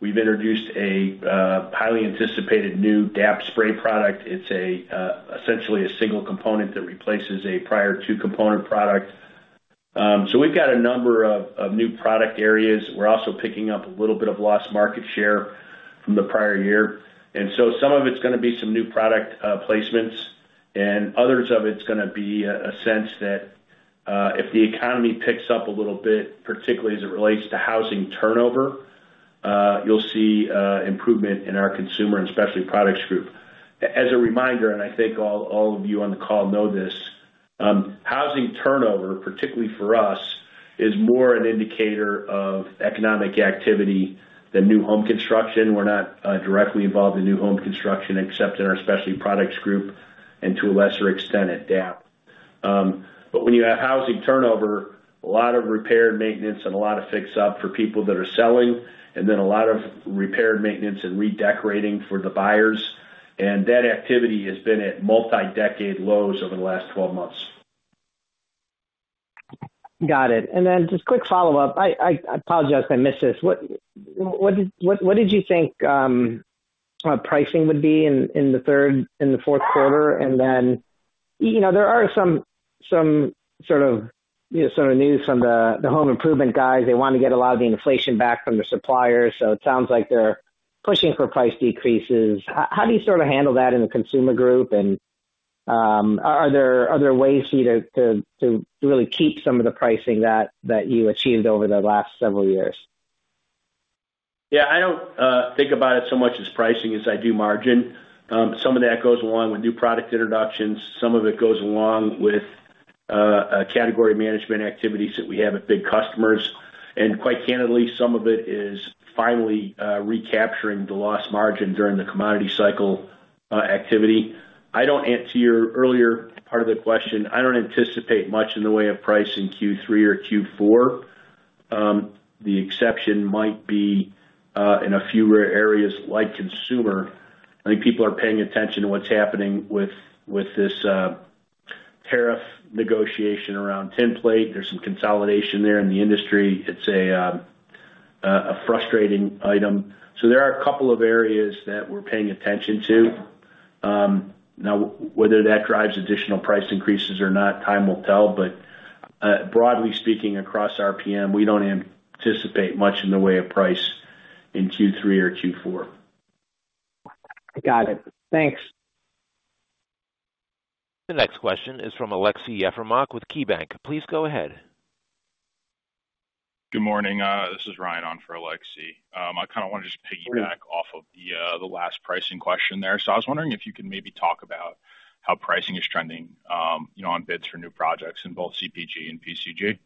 We've introduced a highly anticipated new DAP spray product. It's essentially a single component that replaces a prior two-component product. So we've got a number of new product areas. We're also picking up a little bit of lost market share from the prior year. And so some of it's gonna be some new product placements, and others of it's gonna be a sense that if the economy picks up a little bit, particularly as it relates to housing turnover, you'll see improvement in our Consumer and Specialty Products Group. As a reminder, and I think all, all of you on the call know this, housing turnover, particularly for us, is more an indicator of economic activity than new home construction. We're not directly involved in new home construction, except in our Specialty Products Group and to a lesser extent at DAP. But when you have housing turnover, a lot of repair and maintenance and a lot of fix up for people that are selling, and then a lot of repair and maintenance and redecorating for the buyers, and that activity has been at multi-decade lows over the last 12 months. Got it. And then just quick follow-up. I apologize if I missed this. What did you think pricing would be in the fourth quarter? And then, you know, there are some sort of news from the home improvement guys. They want to get a lot of the inflation back from the suppliers, so it sounds like they're pushing for price decreases. How do you sort of handle that in the Consumer Group? And are there other ways for you to really keep some of the pricing that you achieved over the last several years? Yeah, I don't think about it so much as pricing as I do margin. Some of that goes along with new product introductions, some of it goes along with a category management activities that we have with big customers, and quite candidly, some of it is finally recapturing the lost margin during the commodity cycle activity. I don't answer your earlier part of the question. I don't anticipate much in the way of price in Q3 or Q4. The exception might be in a fewer areas like Consumer. I think people are paying attention to what's happening with this tariff negotiation around tinplate. There's some consolidation there in the industry. It's a frustrating item. So there are a couple of areas that we're paying attention to. Now, whether that drives additional price increases or not, time will tell. But, broadly speaking, across RPM, we don't anticipate much in the way of price in Q3 or Q4. Got it. Thanks. The next question is from Aleksey Yefremov with KeyBanc. Please go ahead. Good morning. This is Ryan on for Aleksey. I kind of wanna just piggyback off of the last pricing question there. So I was wondering if you could maybe talk about how pricing is trending, you know, on bids for new projects in both CPG and PCG.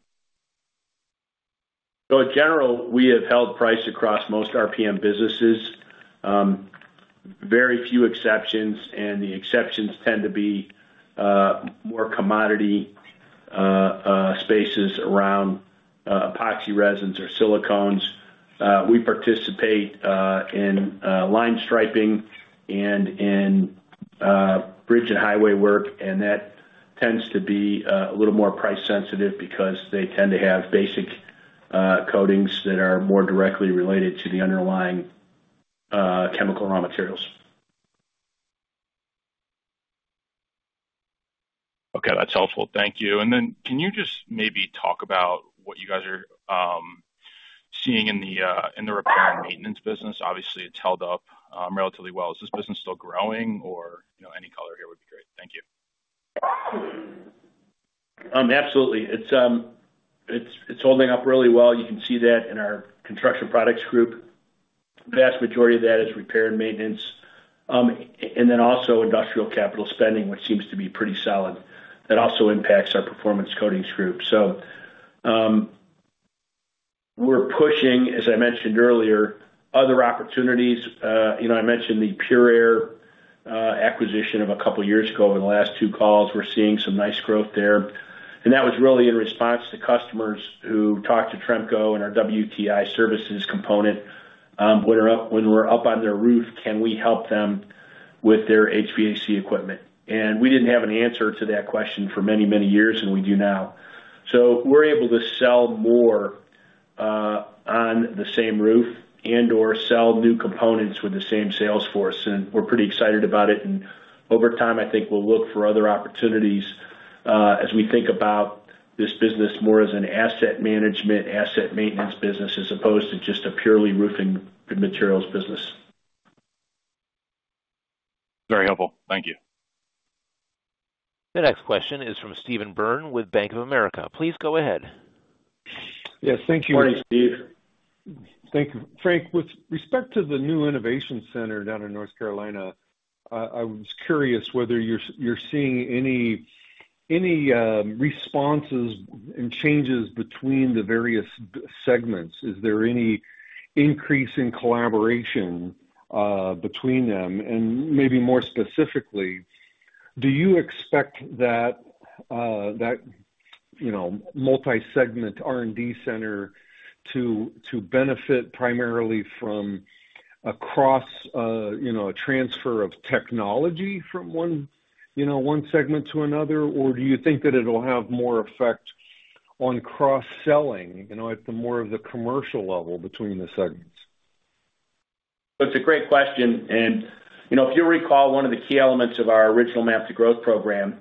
So in general, we have held price across most RPM businesses. Very few exceptions, and the exceptions tend to be more commodity spaces around epoxy resins or silicones. We participate in line striping and in bridge and highway work, and that tends to be a little more price sensitive because they tend to have basic coatings that are more directly related to the underlying chemical raw materials. Okay. That's helpful. Thank you. And then, can you just maybe talk about what you guys are seeing in the repair and maintenance business? Obviously, it's held up relatively well. Is this business still growing or, you know, any color here would be great. Thank you. Absolutely. It's holding up really well. You can see that in our Construction Products Group. Vast majority of that is repair and maintenance. And then also industrial capital spending, which seems to be pretty solid. That also impacts Performance Coatings Group. So, we're pushing, as I mentioned earlier, other opportunities. You know, I mentioned the Pure Air acquisition of a couple of years ago. Over the last two calls, we're seeing some nice growth there, and that was really in response to customers who talked to Tremco and our WTI services component. When we're up on their roof, can we help them with their HVAC equipment? And we didn't have an answer to that question for many, many years, and we do now. So we're able to sell more, on the same roof and/or sell new components with the same sales force, and we're pretty excited about it. And over time, I think we'll look for other opportunities, as we think about this business more as an asset management, asset maintenance business, as opposed to just a purely roofing materials business. Very helpful. Thank you. The next question is from Steve Byrne with Bank of America. Please go ahead. Yes, thank you. Morning, Steve. Thank you. Frank, with respect to the new innovation center down in North Carolina, I was curious whether you're seeing any responses and changes between the various segments. Is there any increase in collaboration between them? And maybe more specifically, do you expect that, you know, multi-segment R&D center to benefit primarily from across, you know, a transfer of technology from one, you know, one segment to another? Or do you think that it'll have more effect on cross-selling, you know, at the more of the commercial level between the segments? It's a great question, and, you know, if you'll recall, one of the key elements of our original Map to Growth program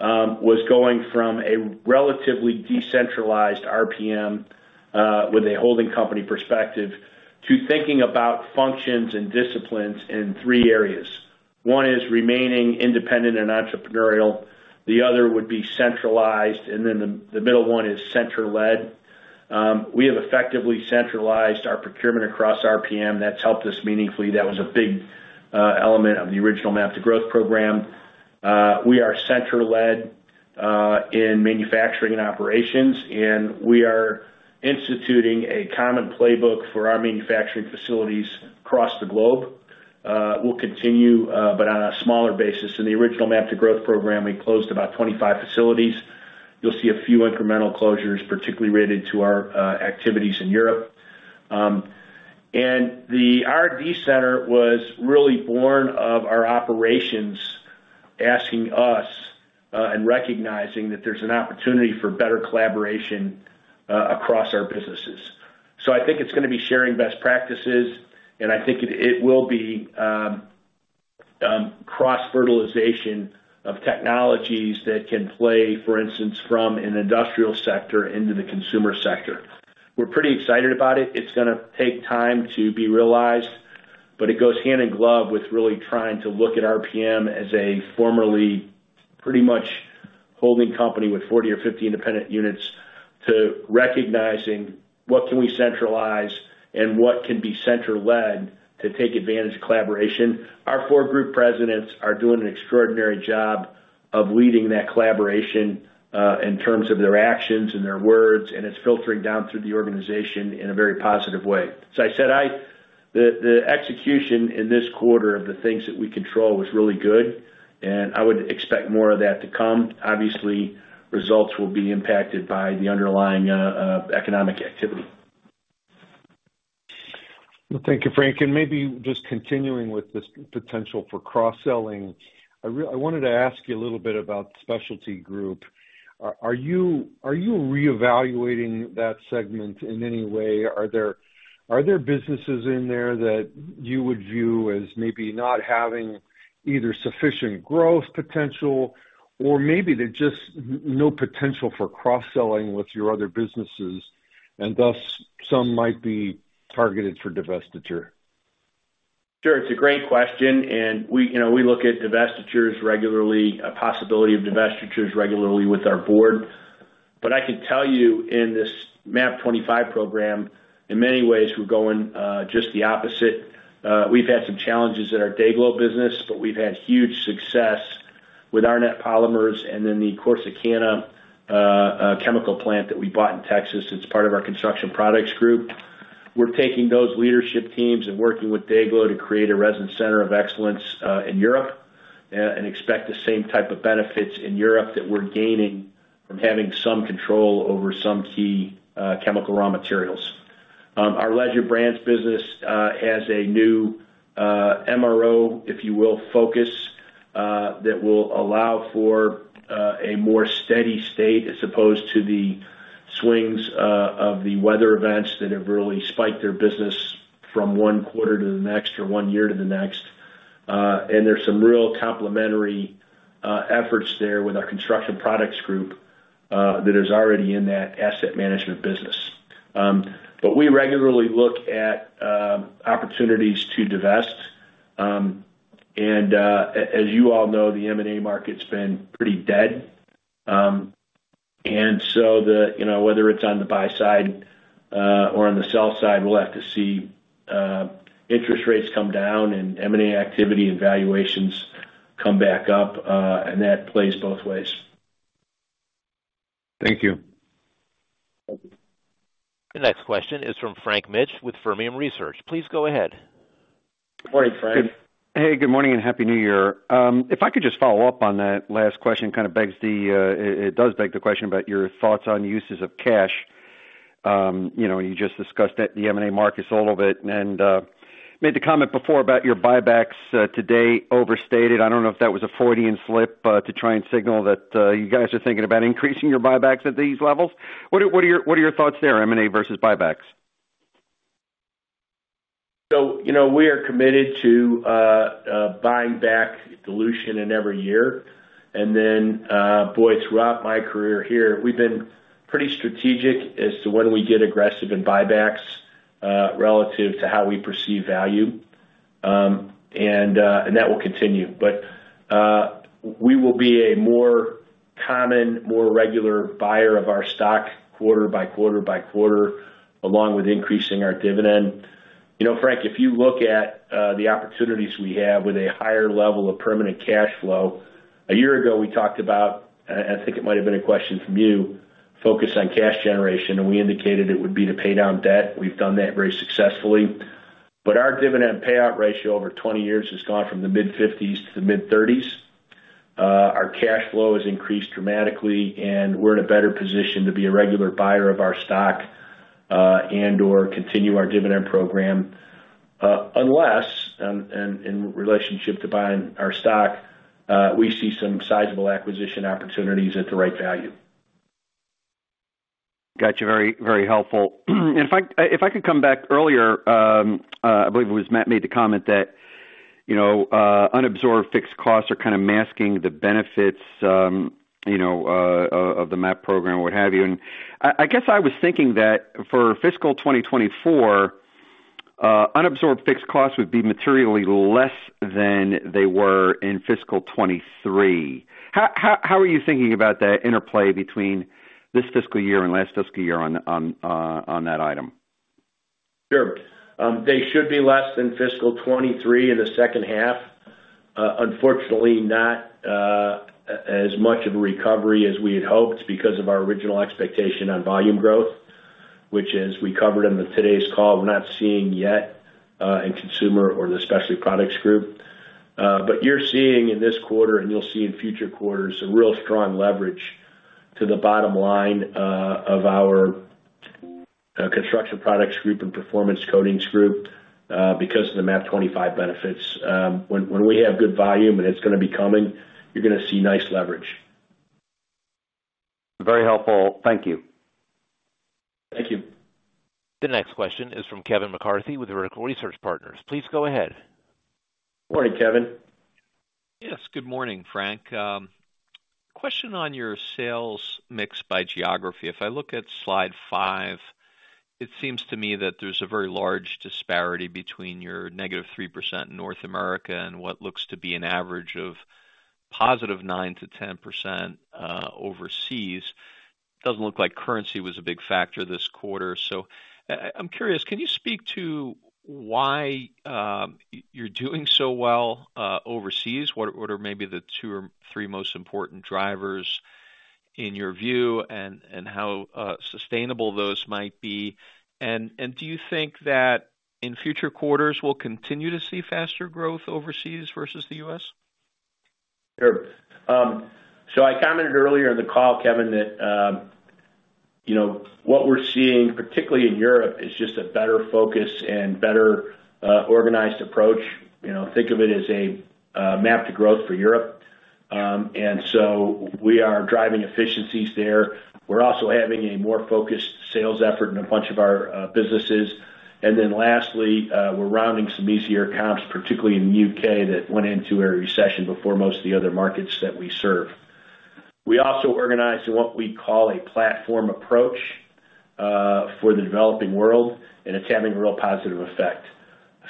was going from a relatively decentralized RPM with a holding company perspective, to thinking about functions and disciplines in three areas. One is remaining independent and entrepreneurial, the other would be centralized, and then the middle one is center-led. We have effectively centralized our procurement across RPM. That's helped us meaningfully. That was a big element of the original Map to Growth program. We are center-led in manufacturing and operations, and we are instituting a common playbook for our manufacturing facilities across the globe. We'll continue, but on a smaller basis. In the original Map to Growth program, we closed about 25 facilities. You'll see a few incremental closures, particularly related to our activities in Europe. The R&D center was really born of our operations asking us and recognizing that there's an opportunity for better collaboration across our businesses. So I think it's gonna be sharing best practices, and I think it will be cross-fertilization of technologies that can play, for instance, from an industrial sector into the Consumer sector. We're pretty excited about it. It's gonna take time to be realized, but it goes hand in glove with really trying to look at RPM as a formerly, pretty much holding company with 40 or 50 independent units, to recognizing what can we centralize and what can be center-led to take advantage of collaboration. Our four group presidents are doing an extraordinary job of leading that collaboration in terms of their actions and their words, and it's filtering down through the organization in a very positive way. So I said the execution in this quarter of the things that we control was really good, and I would expect more of that to come. Obviously, results will be impacted by the underlying economic activity. Well, thank you, Frank. And maybe just continuing with this potential for cross-selling. I wanted to ask you a little bit about Specialty Group. Are you reevaluating that segment in any way? Are there businesses in there that you would view as maybe not having either sufficient growth potential, or maybe there's just no potential for cross-selling with your other businesses, and thus, some might be targeted for divestiture? Sure. It's a great question, and we, you know, we look at divestitures regularly, a possibility of divestitures regularly with our board. But I can tell you, in this MAP 25 program, in many ways, we're going just the opposite. We've had some challenges in our DayGlo business, but we've had huge success with Arnett Polymers and then the Corsicana chemical plant that we bought in Texas. It's part of our Construction Products Group. We're taking those leadership teams and working with DayGlo to create a resin center of excellence in Europe and expect the same type of benefits in Europe that we're gaining from having some control over some key chemical raw materials. Our Legend Brands business has a new MRO, if you will, focus that will allow for a more steady state as opposed to the swings of the weather events that have really spiked their business from one quarter to the next or one year to the next. And there's some real complementary efforts there with our Construction Products Group that is already in that asset management business. But we regularly look at opportunities to divest. And as you all know, the M&A market's been pretty dead. And so the, you know, whether it's on the buy side or on the sell side, we'll have to see interest rates come down and M&A activity and valuations come back up, and that plays both ways. Thank you. Thank you. The next question is from Frank Mitsch with Fermium Research. Please go ahead. Good morning, Frank. Hey, good morning, and Happy New Year. If I could just follow up on that last question, it does beg the question about your thoughts on uses of cash. You know, you just discussed that, the M&A markets a little bit, and made the comment before about your buybacks today overstated. I don't know if that was a Freudian slip to try and signal that you guys are thinking about increasing your buybacks at these levels. What are your thoughts there, M&A versus buybacks? So, you know, we are committed to buying back dilution in every year. And then, boy, throughout my career here, we've been pretty strategic as to when we get aggressive in buybacks, relative to how we perceive value. And that will continue. But we will be a more common, more regular buyer of our stock quarter by quarter by quarter, along with increasing our dividend. You know, Frank, if you look at the opportunities we have with a higher level of permanent cash flow, a year ago, we talked about and I think it might have been a question from you, focus on cash generation, and we indicated it would be to pay down debt. We've done that very successfully. But our dividend payout ratio over 20 years has gone from the mid-50s to the mid-30s. Our cash flow has increased dramatically, and we're in a better position to be a regular buyer of our stock, and/or continue our dividend program, unless, in relationship to buying our stock, we see some sizable acquisition opportunities at the right value. Got you. Very, very helpful. And if I could come back earlier, I believe it was Matt, made the comment that, you know, unabsorbed fixed costs are kind of masking the benefits, you know, of the MAP program or what have you. And I guess I was thinking that for fiscal 2024, unabsorbed fixed costs would be materially less than they were in fiscal 2023. How are you thinking about that interplay between this fiscal year and last fiscal year on, on, on that item? Sure. They should be less than fiscal 2023 in the second half. Unfortunately, not as much of a recovery as we had hoped because of our original expectation on volume growth, which as we covered in today's call, we're not seeing yet in Consumer or the Specialty Products Group. But you're seeing in this quarter, and you'll see in future quarters, a real strong leverage to the bottom line of our Construction Products Group and Performance Coatings Group because of the MAP 2025 benefits. When we have good volume, and it's gonna be coming, you're gonna see nice leverage. Very helpful. Thank you. Thank you. The next question is from Kevin McCarthy, with Vertical Research Partners. Please go ahead. Morning, Kevin. Yes, good morning, Frank. Question on your sales mix by geography. If I look at slide 5, it seems to me that there's a very large disparity between your -3% North America, and what looks to be an average of +9%-10%, overseas. Doesn't look like currency was a big factor this quarter. So I'm curious, can you speak to why you're doing so well, overseas? What are maybe the two or three most important drivers, in your view, and how sustainable those might be? And do you think that in future quarters, we'll continue to see faster growth overseas versus the U.S.? Sure. So I commented earlier in the call, Kevin, that, you know, what we're seeing, particularly in Europe, is just a better focus and better, organized approach. You know, think of it as a MAP to Growth for Europe. And so we are driving efficiencies there. We're also having a more focused sales effort in a bunch of our businesses. And then lastly, we're rounding some easier comps, particularly in the U.K., that went into a recession before most of the other markets that we serve. We also organized what we call a platform approach for the developing world, and it's having a real positive effect.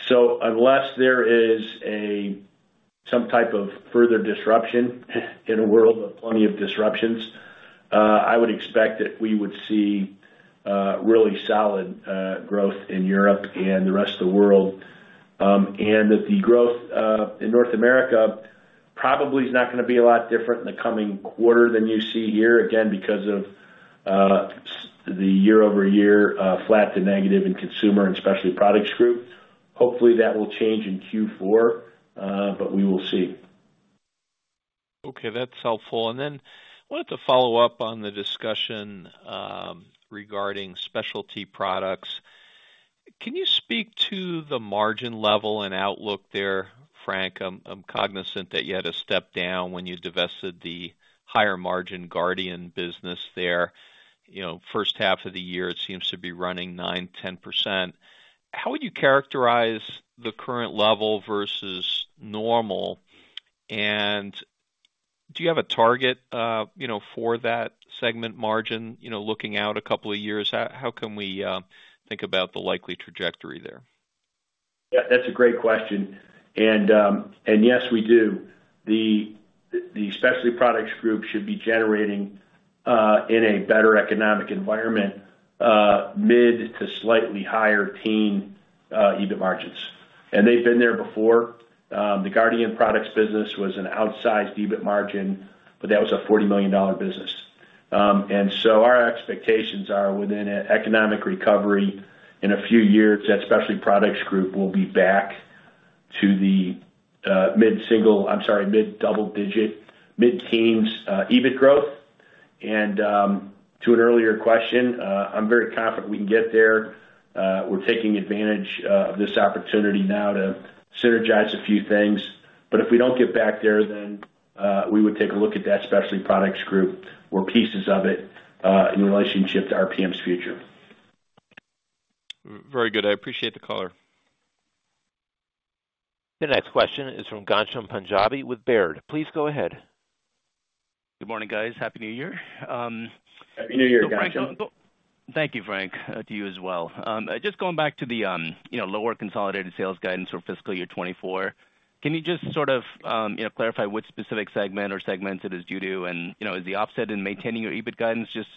So unless there is some type of further disruption in a world of plenty of disruptions, I would expect that we would see really solid growth in Europe and the rest of the world. And that the growth in North America probably is not gonna be a lot different in the coming quarter than you see here, again, because of the year-over-year flat to negative in Consumer and Specialty Products Group. Hopefully, that will change in Q4, but we will see. Okay, that's helpful. And then wanted to follow up on the discussion regarding specialty products. Can you speak to the margin level and outlook there, Frank? I'm cognizant that you had to step down when you divested the higher margin Guardian business there. You know, first half of the year, it seems to be running 9%-10%. How would you characterize the current level versus normal? And do you have a target, you know, for that segment margin, you know, looking out a couple of years? How can we think about the likely trajectory there? Yeah, that's a great question. And, and yes, we do. The, the Specialty Products Group should be generating, in a better economic environment, mid- to slightly higher-teens EBIT margins, and they've been there before. The Guardian Products business was an outsized EBIT margin, but that was a $40 million business. And so our expectations are within an economic recovery. In a few years, that Specialty Products Group will be back to the, mid-single... I'm sorry, mid-double digit, mid-teens, EBIT growth. And, to an earlier question, I'm very confident we can get there. We're taking advantage of this opportunity now to synergize a few things. But if we don't get back there, then, we would take a look at that Specialty Products Group or pieces of it, in relationship to RPM's future. Very good. I appreciate the color. The next question is from Ghansham Panjabi with Baird. Please go ahead. Good morning, guys. Happy New Year. Happy New Year, Ghansham. Thank you, Frank, to you as well. Just going back to the, you know, lower consolidated sales guidance for fiscal year 2024, can you just sort of, you know, clarify which specific segment or segments it is due to? And, you know, is the offset in maintaining your EBIT guidance just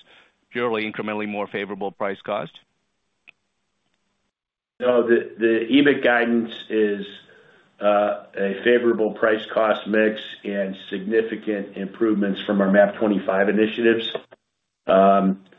purely, incrementally more favorable price cost? No, the EBIT guidance is a favorable price-cost mix and significant improvements from our MAP 25 initiatives. And, you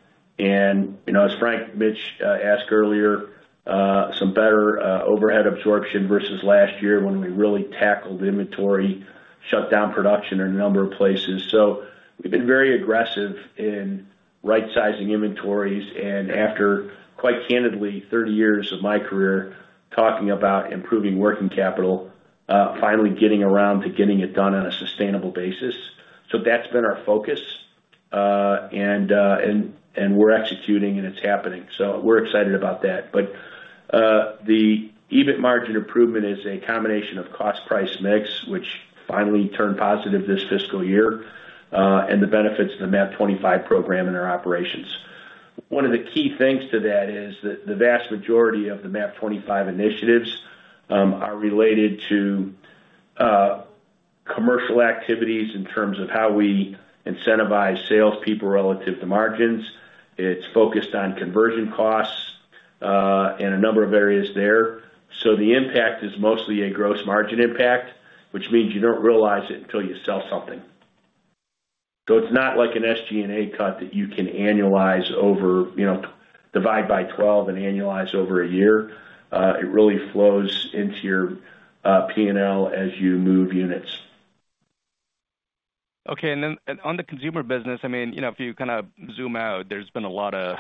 know, as Frank Mitsch asked earlier, some better overhead absorption versus last year when we really tackled inventory, shut down production in a number of places. So we've been very aggressive in right-sizing inventories, and after quite candidly, 30 years of my career, talking about improving working capital, finally getting around to getting it done on a sustainable basis. So that's been our focus, and we're executing, and it's happening, so we're excited about that. But, the EBIT margin improvement is a combination of cost-price mix, which finally turned positive this fiscal year, and the benefits of the MAP 25 program in our operations. One of the key things to that is that the vast majority of the MAP 25 initiatives are related to commercial activities in terms of how we incentivize salespeople relative to margins. It's focused on conversion costs and a number of areas there. So the impact is mostly a gross margin impact, which means you don't realize it until you sell something. So it's not like an SG&A cut that you can annualize over, you know, divide by 12 and annualize over a year. It really flows into your P&L as you move units. ... Okay, and then on the Consumer business, I mean, you know, if you kind of zoom out, there's been a lot of,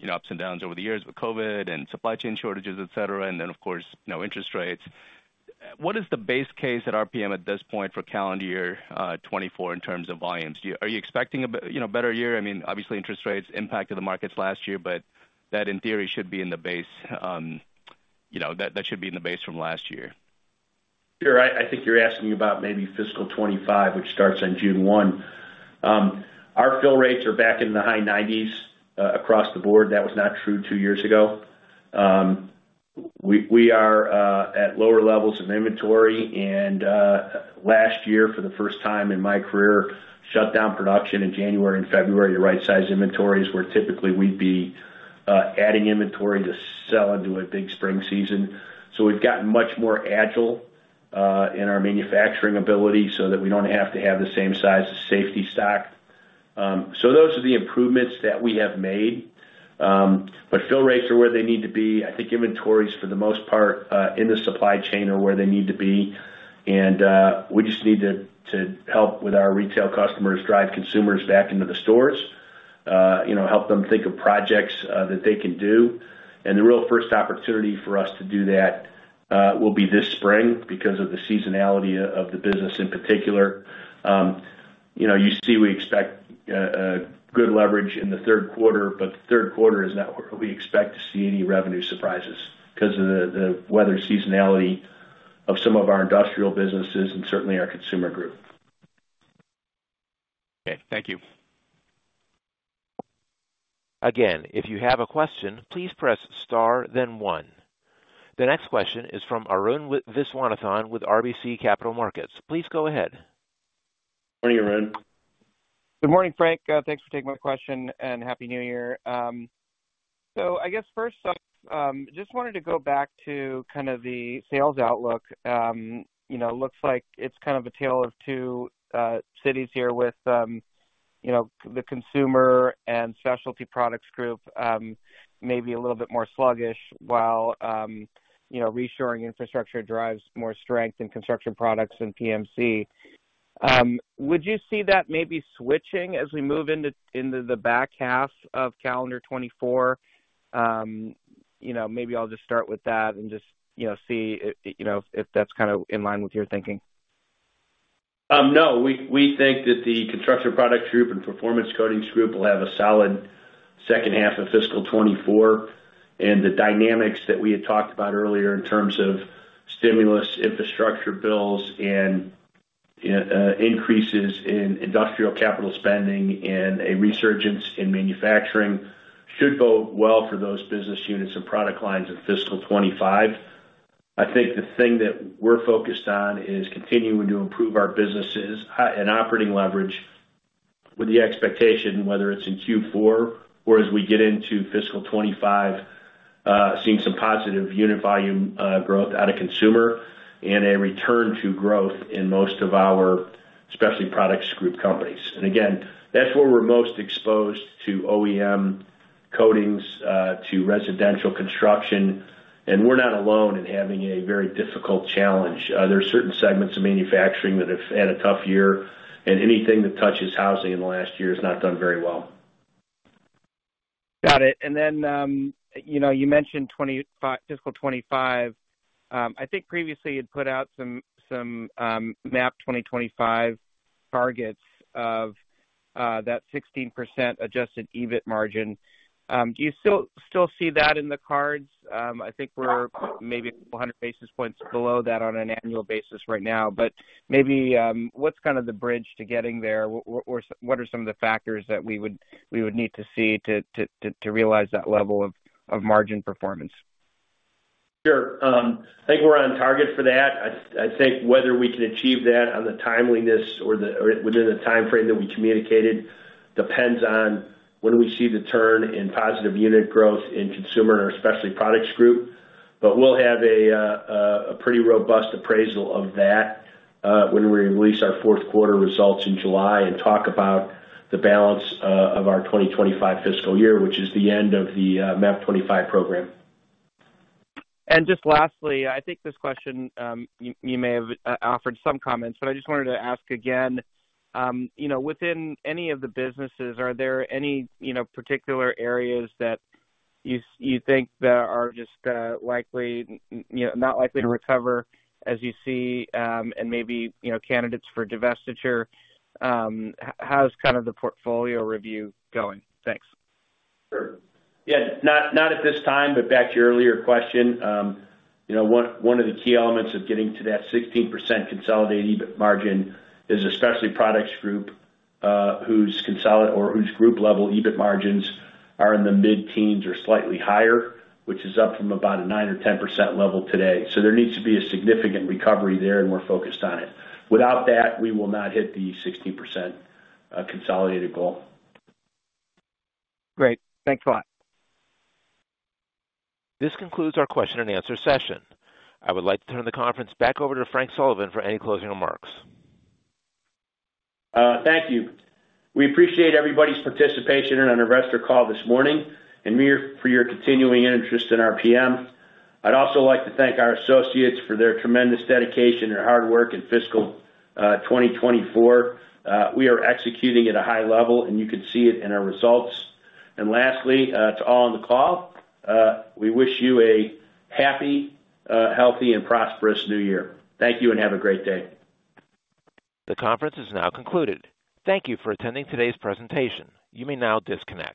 you know, ups and downs over the years with COVID and supply chain shortages, et cetera, and then, of course, now interest rates. What is the base case at RPM at this point for calendar year 2024 in terms of volumes? Do you—are you expecting, you know, a better year? I mean, obviously, interest rates impacted the markets last year, but that, in theory, should be in the base, you know, that should be in the base from last year. Sure. I think you're asking about maybe fiscal 2025, which starts on June 1. Our fill rates are back in the high 90s across the board. That was not true two years ago. We are at lower levels of inventory and last year, for the first time in my career, shut down production in January and February to right-size inventories, where typically we'd be adding inventory to sell into a big spring season. So we've gotten much more agile in our manufacturing ability, so that we don't have to have the same size as safety stock. So those are the improvements that we have made. But fill rates are where they need to be. I think inventories, for the most part, in the supply chain, are where they need to be. We just need to help with our retail customers, drive Consumers back into the stores. You know, help them think of projects that they can do. The real first opportunity for us to do that will be this spring because of the seasonality of the business in particular. You know, you see, we expect a good leverage in the third quarter, but the third quarter is not where we expect to see any revenue surprises because of the weather seasonality of some of our industrial businesses and certainly our Consumer Group. Okay, thank you. Again, if you have a question, please press star, then one. The next question is from Arun Viswanathan with RBC Capital Markets. Please go ahead. Morning, Arun. Good morning, Frank. Thanks for taking my question, and Happy New Year. So I guess first off, just wanted to go back to kind of the sales outlook. You know, looks like it's kind of a tale of two cities here with, you know, the Consumer and Specialty Products Group, maybe a little bit more sluggish while, you know, reshoring infrastructure drives more strength in Construction Products than PMC. Would you see that maybe switching as we move into, into the back half of calendar 2024? You know, maybe I'll just start with that and just, you know, see if, you know, if that's kind of in line with your thinking. No, we think that the Construction Products Group Performance Coatings Group will have a solid second half of fiscal 2024. And the dynamics that we had talked about earlier in terms of stimulus, infrastructure bills, and increases in industrial capital spending and a resurgence in manufacturing should bode well for those business units and product lines in fiscal 2025. I think the thing that we're focused on is continuing to improve our businesses and operating leverage with the expectation, whether it's in Q4 or as we get into fiscal 2025, seeing some positive unit volume growth out of Consumer and a return to growth in most of our Specialty Products Group companies. And again, that's where we're most exposed to OEM coatings to residential construction. And we're not alone in having a very difficult challenge. There are certain segments of manufacturing that have had a tough year, and anything that touches housing in the last year has not done very well. Got it. And then, you know, you mentioned 25, fiscal 2025. I think previously you'd put out some MAP 2025 targets of that 16% adjusted EBIT margin. Do you still see that in the cards? I think we're maybe 100 basis points below that on an annual basis right now, but maybe, what's kind of the bridge to getting there? What are some of the factors that we would need to see to realize that level of margin performance? Sure. I think we're on target for that. I think whether we can achieve that on the timeliness or within the timeframe that we communicated, depends on when we see the turn in positive unit growth in Consumer and Specialty Products Group. But we'll have a pretty robust appraisal of that, when we release our fourth quarter results in July and talk about the balance of our 2025 fiscal year, which is the end of the MAP 25 program. Just lastly, I think this question, you may have offered some comments, but I just wanted to ask again. You know, within any of the businesses, are there any, you know, particular areas that you think that are just likely, you know, not likely to recover as you see, and maybe, you know, candidates for divestiture? How's kind of the portfolio review going? Thanks. Sure. Yeah, not at this time, but back to your earlier question. You know, one of the key elements of getting to that 16% consolidated EBIT margin is a Specialty Products Group, whose group-level EBIT margins are in the mid-teens or slightly higher, which is up from about a 9% or 10% level today. So there needs to be a significant recovery there, and we're focused on it. Without that, we will not hit the 16% consolidated goal. Great. Thanks a lot. This concludes our question and answer session. I would like to turn the conference back over to Frank Sullivan for any closing remarks. Thank you. We appreciate everybody's participation in our investor call this morning, and we -- for your continuing interest in RPM. I'd also like to thank our associates for their tremendous dedication and hard work in fiscal 2024. We are executing at a high level, and you can see it in our results. And lastly, to all on the call, we wish you a happy, healthy, and prosperous new year. Thank you, and have a great day. The conference is now concluded. Thank you for attending today's presentation. You may now disconnect.